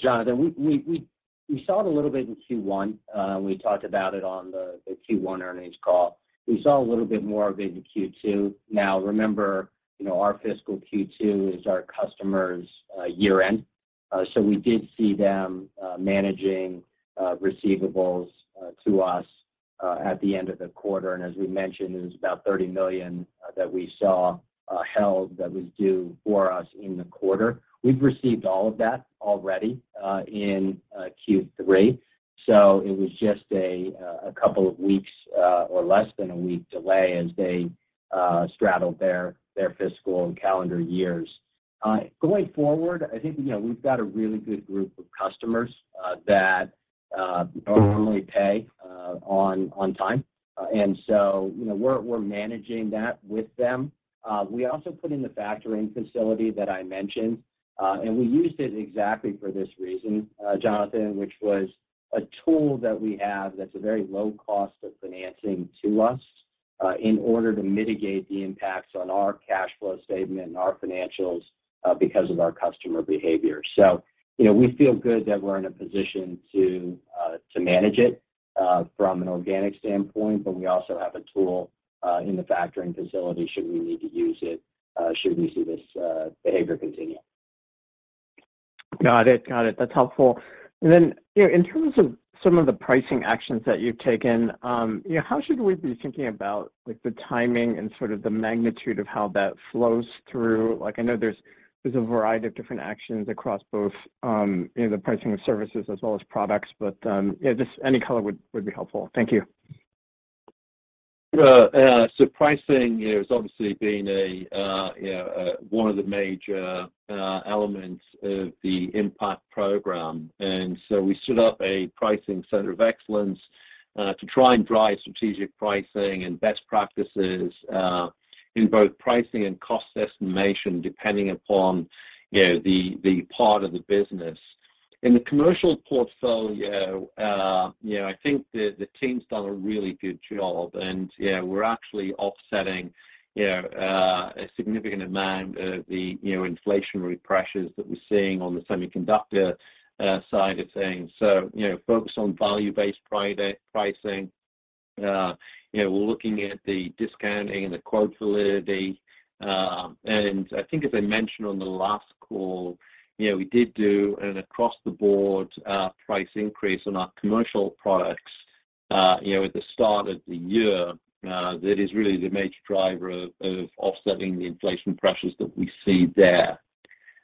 Jonathan, we saw it a little bit in Q1. We talked about it on the Q1 earnings call. We saw a little bit more of it in Q2. Now remember, you know, our fiscal Q2 is our customers' year-end. We did see them managing receivables to us at the end of the quarter. As we mentioned, it was about $30 million that we saw held that was due for us in the quarter. We've received all of that already in Q3. It was just a couple of weeks or less than a week delay as they straddled their fiscal and calendar years. Going forward, I think, you know, we've got a really good group of customers that normally pay on time. You know, we're managing that with them. We also put in the factoring facility that I mentioned, and we used it exactly for this reason, Jonathan, which was a tool that we have that's a very low cost of financing to us, in order to mitigate the impacts on our cash flow statement and our financials because of our customer behavior. You know, we feel good that we're in a position to manage it from an organic standpoint, but we also have a tool in the factoring facility should we need to use it, should we see this behavior continue. Got it. Got it. That's helpful. You know, in terms of some of the pricing actions that you've taken, you know, how should we be thinking about like the timing and sort of the magnitude of how that flows through? Like I know there's a variety of different actions across both, you know, the pricing of services as well as products. Yeah, just any color would be helpful. Thank you. Pricing, you know, has obviously been a, you know, one of the major elements of the 1MPACT program. We stood up a pricing center of excellence to try and drive strategic pricing and best practices in both pricing and cost estimation, depending upon, you know, the part of the business. In the commercial portfolio, you know, I think the team's done a really good job. Yeah, we're actually offsetting, you know, a significant amount of the, you know, inflationary pressures that we're seeing on the semiconductor side of things. You know, focused on value-based pricing. You know, we're looking at the discounting and the quote validity. I think as I mentioned on the last call, you know, we did do an across-the-board price increase on our commercial products, you know, at the start of the year, that is really the major driver of offsetting the inflation pressures that we see there.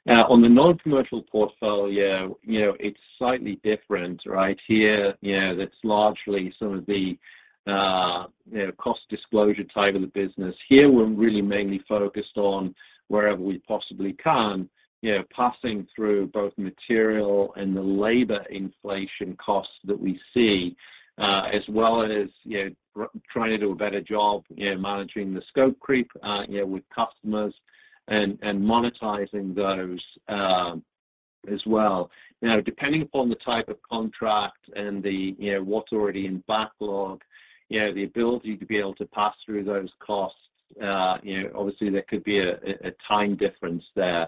Now, on the non-commercial portfolio, you know, it's slightly different, right. Here, you know, that's largely some of the, you know, cost disclosure side of the business. Here, we're really mainly focused on wherever we possibly can, you know, passing through both material and the labor inflation costs that we see, as well as, you know, trying to do a better job, you know, managing the scope creep, you know, with customers and monetizing those, as well. Depending upon the type of contract and the, you know, what's already in backlog, you know, the ability to be able to pass through those costs, you know, obviously there could be a time difference there.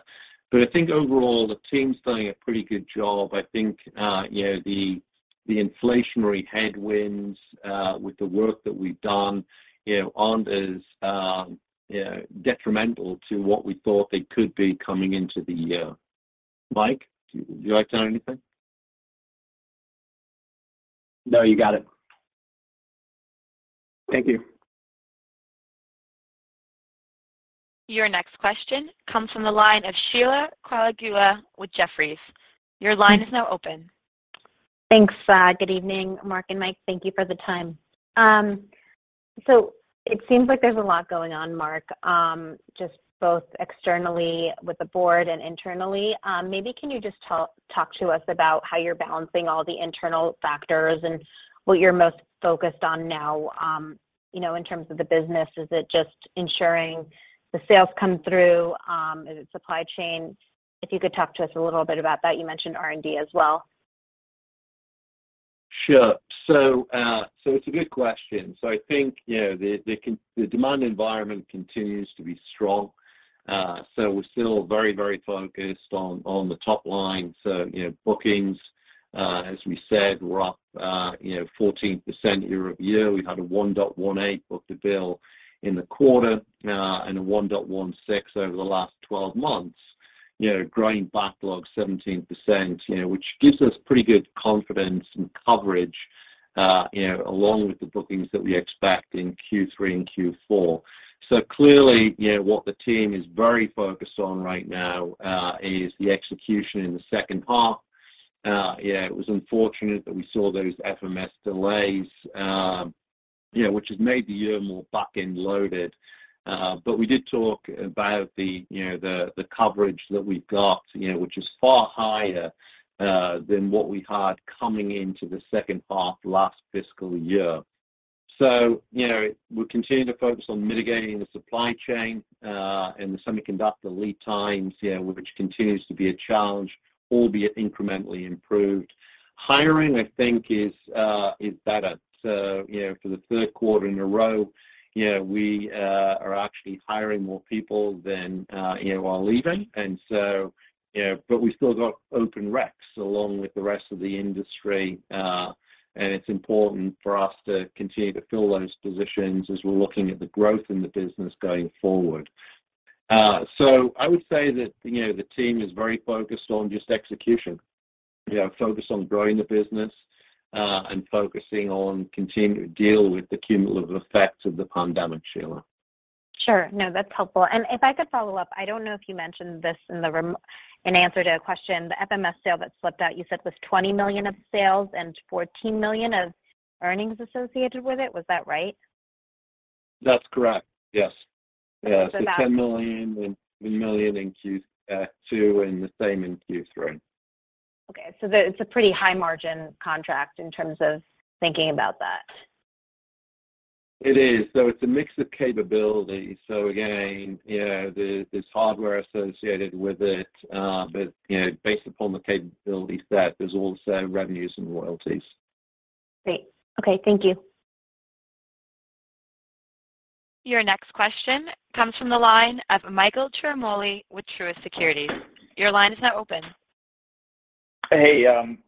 I think overall, the team's doing a pretty good job. I think, you know, the inflationary headwinds, with the work that we've done, you know, aren't as, you know, detrimental to what we thought they could be coming into the year. Mike, would you like to add anything? No, you got it. Thank you. Your next question comes from the line of Sheila Kahyaoglu with Jefferies. Your line is now open. Thanks. Good evening, Mark and Mike. Thank you for the time. It seems like there's a lot going on, Mark, just both externally with the board and internally. Maybe can you just talk to us about how you're balancing all the internal factors and what you're most focused on now, you know, in terms of the business. Is it just ensuring the sales come through? Is it supply chain? If you could talk to us a little bit about that. You mentioned R&D as well. Sure. It's a good question. I think, you know, the demand environment continues to be strong. We're still very, very focused on the top line. You know, bookings, as we said, were up 14% year-over-year. We had a 1.18 book-to-bill in the quarter, and a 1.16 over the last 12 months. You know, growing backlog 17%, you know, which gives us pretty good confidence and coverage, you know, along with the bookings that we expect in Q3 and Q4. Clearly, you know, what the team is very focused on right now, is the execution in the second half. You know, it was unfortunate that we saw those FMS delays, you know, which has made the year more back-end loaded. We did talk about the, you know, the coverage that we've got, you know, which is far higher than what we had coming into the second half last fiscal year. You know, we're continuing to focus on mitigating the supply chain and the semiconductor lead times, you know, which continues to be a challenge, albeit incrementally improved. Hiring, I think, is better. You know, for the third quarter in a row, you know, we are actually hiring more people than, you know, are leaving. You know, but we've still got open recs along with the rest of the industry. It's important for us to continue to fill those positions as we're looking at the growth in the business going forward. I would say that, you know, the team is very focused on just execution. You know, focused on growing the business, and focusing on continuing to deal with the cumulative effects of the pandemic, Sheila. Sure. No, that's helpful. If I could follow up, I don't know if you mentioned this in answer to a question. The FMS sale that slipped out, you said was $20 million of sales and $14 million of earnings associated with it. Was that right? That's correct, yes. Okay. Yeah. $10 million and $1 million in Q2, and the same in Q3. Okay. It's a pretty high margin contract in terms of thinking about that. It is. It's a mix of capabilities. Again, you know, there's hardware associated with it. You know, based upon the capability set, there's also revenues and royalties. Great. Okay. Thank you. Your next question comes from the line of Michael Ciarmoli with Truist Securities. Your line is now open. Hey,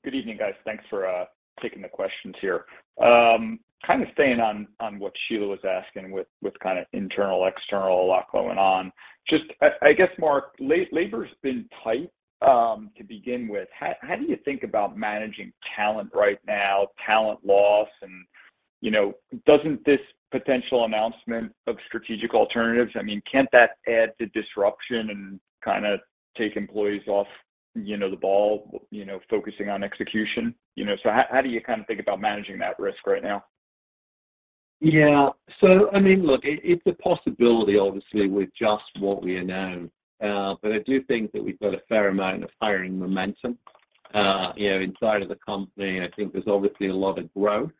good evening, guys. Thanks for taking the questions here. kind of staying on what Sheila was asking with kind of internal, external, a lot going on. Just I guess, Mark, labor's been tight to begin with. How do you think about managing talent right now, talent loss? You know, doesn't this potential announcement of strategic alternatives, I mean, can't that add to disruption and kinda take employees off, you know, the ball, you know, focusing on execution? How do you kind of think about managing that risk right now? I mean, look, it's a possibility obviously with just what we know. But I do think that we've got a fair amount of hiring momentum, you know, inside of the company. I think there's obviously a lot of growth,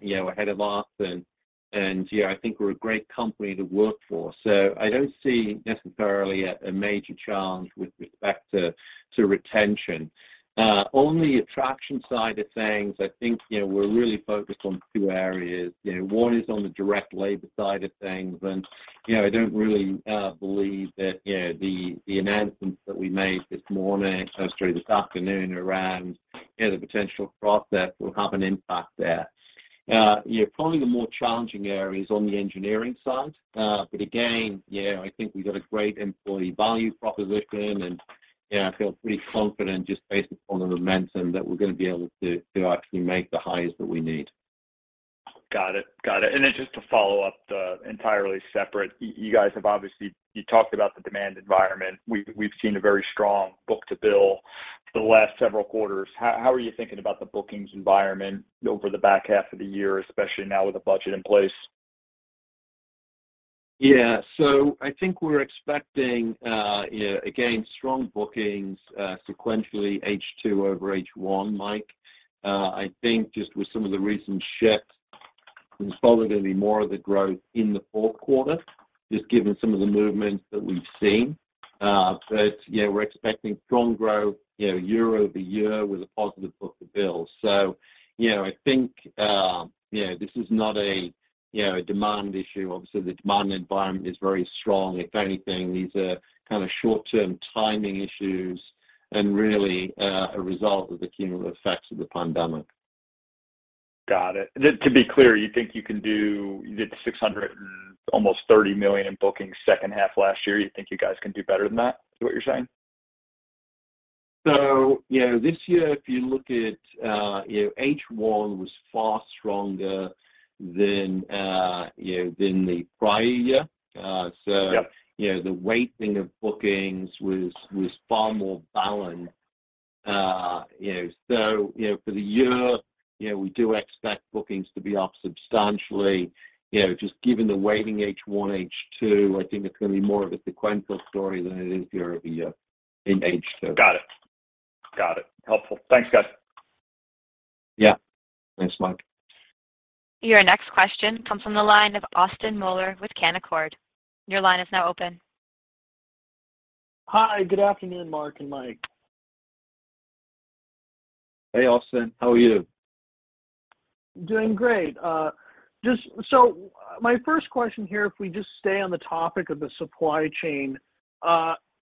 you know, ahead of us and yeah, I think we're a great company to work for. I don't see necessarily a major challenge with respect to retention. On the attraction side of things, I think, you know, we're really focused on two areas. You know, one is on the direct labor side of things, and, you know, I don't really, believe that, you know, the announcements that we made this morning, or sorry, this afternoon around, you know, the potential process will have an impact there. Yeah, probably the more challenging area is on the engineering side. Again, yeah, I think we've got a great employee value proposition and, yeah, I feel pretty confident just based upon the momentum that we're gonna be able to actually make the hires that we need. Got it. Got it. Just to follow up, entirely separate, You talked about the demand environment. We've seen a very strong book-to-bill the last several quarters. How are you thinking about the bookings environment over the back half of the year, especially now with a budget in place? Yeah. I think we're expecting, you know, again, strong bookings, sequentially H2 over H1, Mike. I think just with some of the recent shifts, there's probably gonna be more of the growth in the fourth quarter, just given some of the movements that we've seen. Yeah, we're expecting strong growth, you know, year-over-year with a positive book-to-bill. I think, you know, this is not a, you know, a demand issue. Obviously, the demand environment is very strong. If anything, these are kind of short-term timing issues and really, a result of the cumulative effects of the pandemic. Got it. To be clear, you did $600 and almost 30 million in bookings second half last year. You think you guys can do better than that, is what you're saying? Yeah. This year, if you look at, you know, H1 was far stronger than, you know, than the prior year. Yep... you know, the weighting of bookings was far more balanced. For the year, you know, we do expect bookings to be up substantially. You know, just given the weighting H1, H2, I think it's gonna be more of a sequential story than it is year-over-year in H2. Got it. Got it. Helpful. Thanks, guys. Yeah. Thanks, Mike. Your next question comes from the line of Austin Moeller with Canaccord. Your line is now open. Hi. Good afternoon, Mark and Mike. Hey, Austin. How are you? Doing great. My first question here, if we just stay on the topic of the supply chain,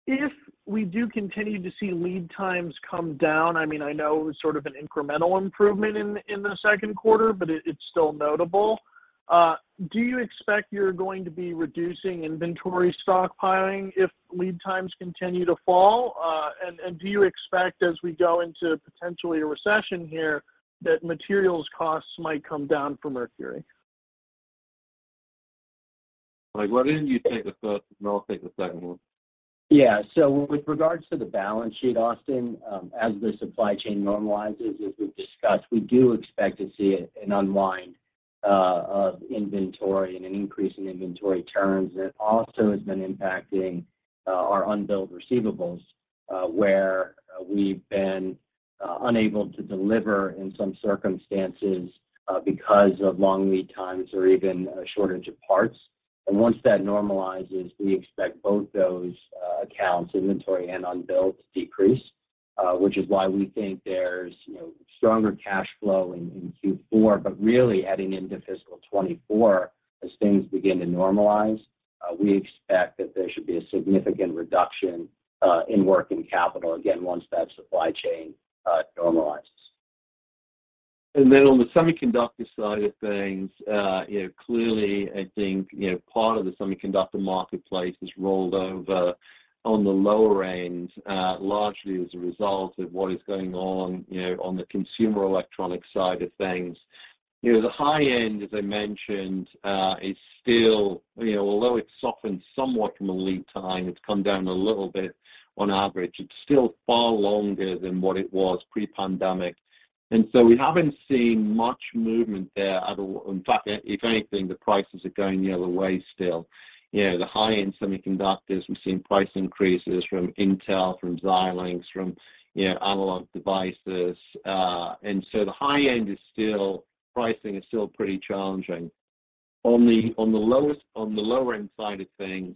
if we do continue to see lead times come down, I mean I know it was sort of an incremental improvement in the second quarter, but it's still notable. Do you expect you're going to be reducing inventory stockpiling if lead times continue to fall? Do you expect as we go into potentially a recession here that materials costs might come down for Mercury? Mike, why don't you take the first and I'll take the second one? Yeah. With regards to the balance sheet, Austin, as the supply chain normalizes, as we've discussed, we do expect to see an unwind of inventory and an increase in inventory terms. It also has been impacting our unbilled receivables, where we've been unable to deliver in some circumstances, because of long lead times or even a shortage of parts. Once that normalizes, we expect both those accounts, inventory and unbilled, to decrease, which is why we think there's, you know, stronger cash flow in Q4. Really heading into fiscal 2024, as things begin to normalize, we expect that there should be a significant reduction in working capital, again, once that supply chain normalizes. On the semiconductor side of things, you know, clearly I think, you know, part of the semiconductor marketplace has rolled over on the lower end, largely as a result of what is going on, you know, on the consumer electronic side of things. You know, the high end, as I mentioned, is still. You know, although it's softened somewhat from a lead time, it's come down a little bit on average, it's still far longer than what it was pre-pandemic. We haven't seen much movement there at all. In fact, if anything, the prices are going the other way still. You know, the high-end semiconductors, we've seen price increases from Intel, from Xilinx, from, you know, Analog Devices. The high end pricing is still pretty challenging. On the lower end side of things,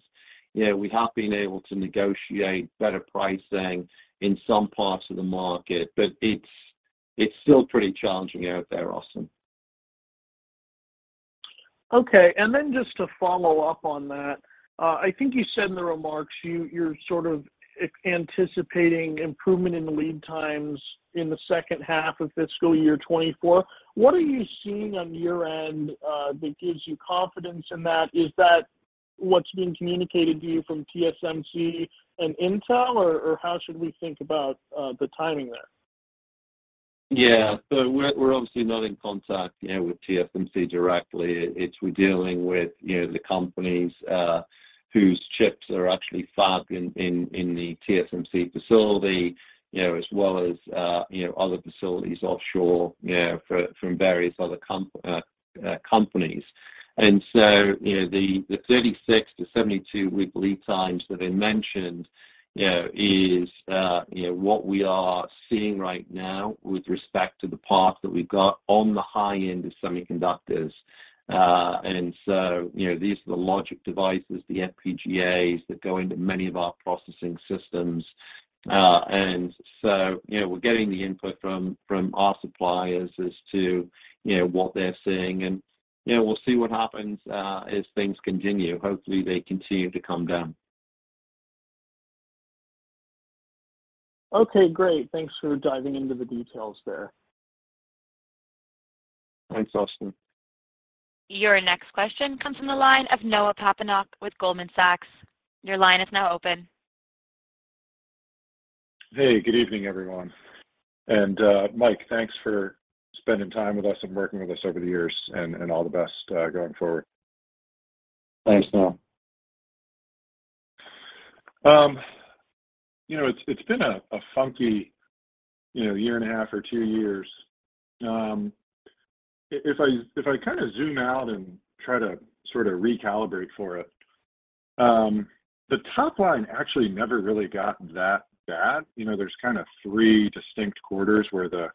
you know, we have been able to negotiate better pricing in some parts of the market, but it's still pretty challenging out there, Austin. Okay. Just to follow up on that, I think you said in the remarks you're sort of anticipating improvement in the lead times in the second half of fiscal year 2024. What are you seeing on your end that gives you confidence in that? Is that what's being communicated to you from TSMC and Intel, or how should we think about the timing there? Yeah. We're, we're obviously not in contact, you know, with TSMC directly. We're dealing with, you know, the companies whose chips are actually fabbed in the TSMC facility, you know, as well as, you know, other facilities offshore, you know, from various other companies. The, you know, the 36-72-week lead times that I mentioned, you know, is, you know, what we are seeing right now with respect to the parts that we've got on the high end of semiconductors. These are the logic devices, the FPGAs that go into many of our processing systems. We're getting the input from our suppliers as to, you know, what they're seeing, and, you know, we'll see what happens, as things continue. Hopefully, they continue to come down. Okay, great. Thanks for diving into the details there. Thanks, Austin. Your next question comes from the line of Noah Poponak with Goldman Sachs. Your line is now open. Hey, good evening, everyone. Mike, thanks for spending time with us and working with us over the years, and all the best, going forward. Thanks, Noah. You know, it's been a funky, you know, year and a half or two years. If I, if I kinda zoom out and try to sorta recalibrate for it, the top line actually never really gotten that bad. You know, there's kinda three distinct quarters where the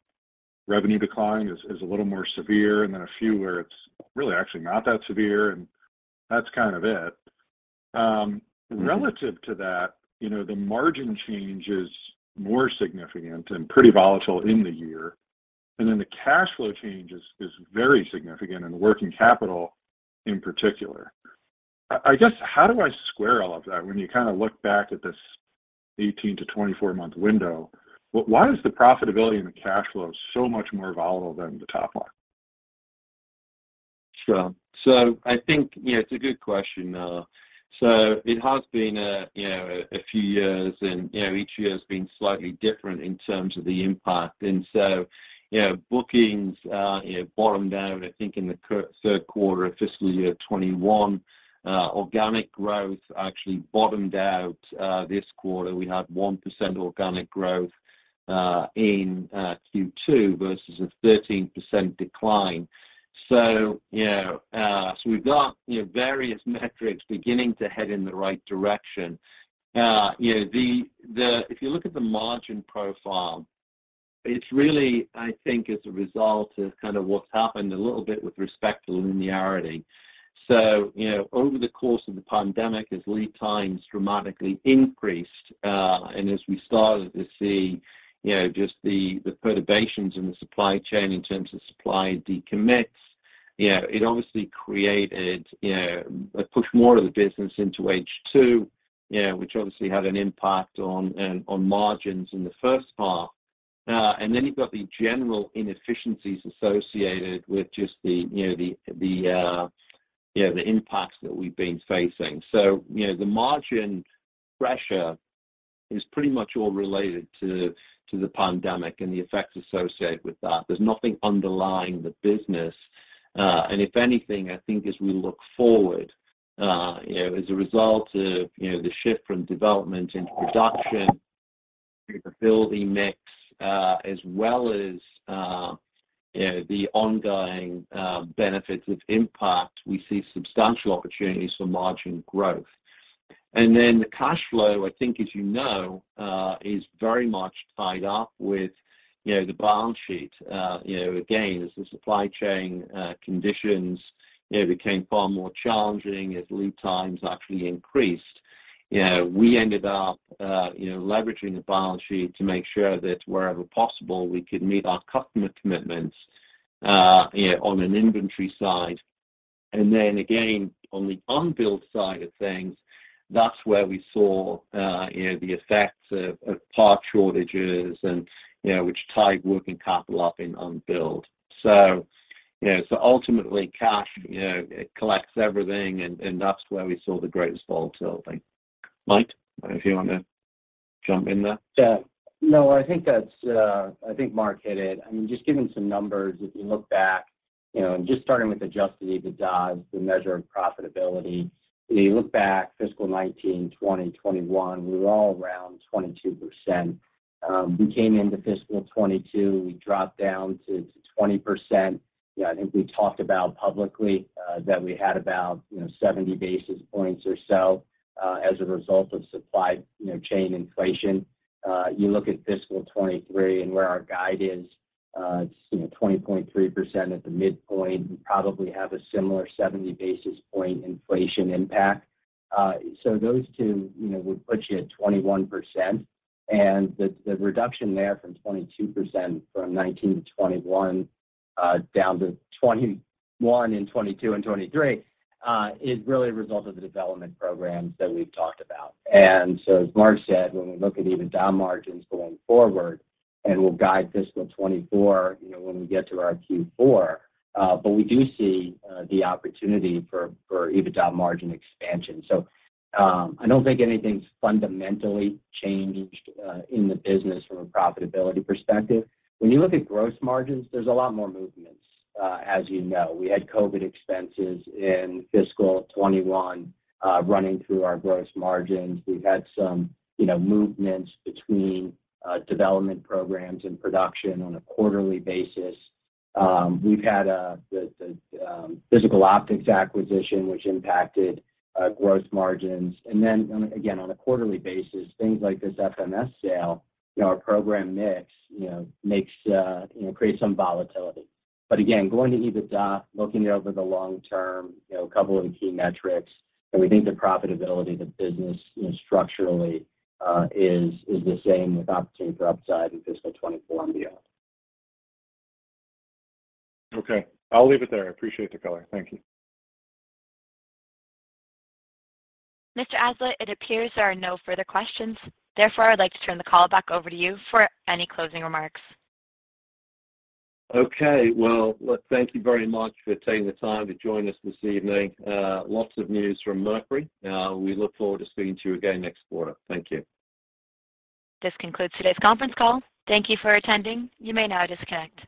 revenue decline is a little more severe, and then a few where it's really actually not that severe, and that's kind of it. Mm-hmm. Relative to that, you know, the margin change is more significant and pretty volatile in the year. The cash flow change is very significant, and the working capital in particular. I guess, how do I square all of that when you kinda look back at this 18 to 24-month window? Why is the profitability and the cash flow so much more volatile than the top line? Sure. I think, you know, it's a good question, Noah. It has been a, you know, a few years and, you know, each year has been slightly different in terms of the impact. You know, bookings, you know, bottomed out, I think in the third quarter of fiscal year 2021. Organic growth actually bottomed out this quarter. We had 1% organic growth in Q2 versus a 13% decline. You know, we've got, you know, various metrics beginning to head in the right direction. You know, if you look at the margin profile, it's really, I think as a result of kind of what's happened a little bit with respect to linearity. you know, over the course of the pandemic, as lead times dramatically increased, and as we started to see, you know, just the perturbations in the supply chain in terms of supply decommits, you know, it obviously created, you know, it pushed more of the business into H2, you know, which obviously had an impact on margins in the first half. And then you've got the general inefficiencies associated with just the, you know, the impacts that we've been facing. you know, the margin pressure is pretty much all related to the pandemic and the effects associated with that. There's nothing underlying the business. If anything, I think as we look forward, you know, as a result of, you know, the shift from development into production, profitability mix, as well as, you know, the ongoing benefits of 1MPACT, we see substantial opportunities for margin growth. Then the cash flow, I think as you know, is very much tied up with, you know, the balance sheet. You know, again, as the supply chain conditions, you know, became far more challenging, as lead times actually increased, you know, we ended up, you know, leveraging the balance sheet to make sure that wherever possible we could meet our customer commitments, you know, on an inventory side. Again, on the unbilled side of things, that's where we saw, you know, the effects of part shortages and, you know, which tied working capital up in unbilled. Ultimately cash, you know, it collects everything and that's where we saw the greatest volatility. Mike, I don't know if you wanna jump in there? Yeah. No, I think that's, I think Mark hit it. I mean, just giving some numbers, if you look back, you know, and just starting with adjusted EBITDA as the measure of profitability, you look back fiscal 2019, 2020, 2021, we were all around 22%. We came into fiscal 2022, we dropped down to 20%. You know, I think we talked about publicly that we had about, you know, 70 basis points or so as a result of supply, you know, chain inflation. You look at fiscal 2023 and where our guide is, it's, you know, 20.3% at the midpoint. We probably have a similar 70 basis point inflation impact. Those two, you know, would put you at 21%. The reduction there from 22% from 19 to 21, down to 21 and 22 and 23, is really a result of the development programs that we've talked about. As Mark said, when we look at EBITDA margins going forward, and we'll guide fiscal 24, you know, when we get to our Q4, we do see the opportunity for EBITDA margin expansion. I don't think anything's fundamentally changed in the business from a profitability perspective. When you look at gross margins, there's a lot more movements. As you know, we had COVID expenses in fiscal 21, running through our gross margins. We've had some, you know, movements between development programs and production on a quarterly basis. We've had the Physical Optics acquisition, which impacted gross margins. On, again, on a quarterly basis, things like this FMS sale, you know, our program mix, you know, makes, you know, creates some volatility. Again, going to EBITDA, looking out over the long term, you know, a couple of key metrics, and we think the profitability of the business, you know, structurally, is the same with opportunity for upside in fiscal 2024 and beyond. Okay. I'll leave it there. I appreciate the color. Thank you. Mr. Aslett, it appears there are no further questions. I'd like to turn the call back over to you for any closing remarks. Okay. Well, thank you very much for taking the time to join us this evening. Lots of news from Mercury. We look forward to speaking to you again next quarter. Thank you. This concludes today's conference call. Thank you for attending. You may now disconnect.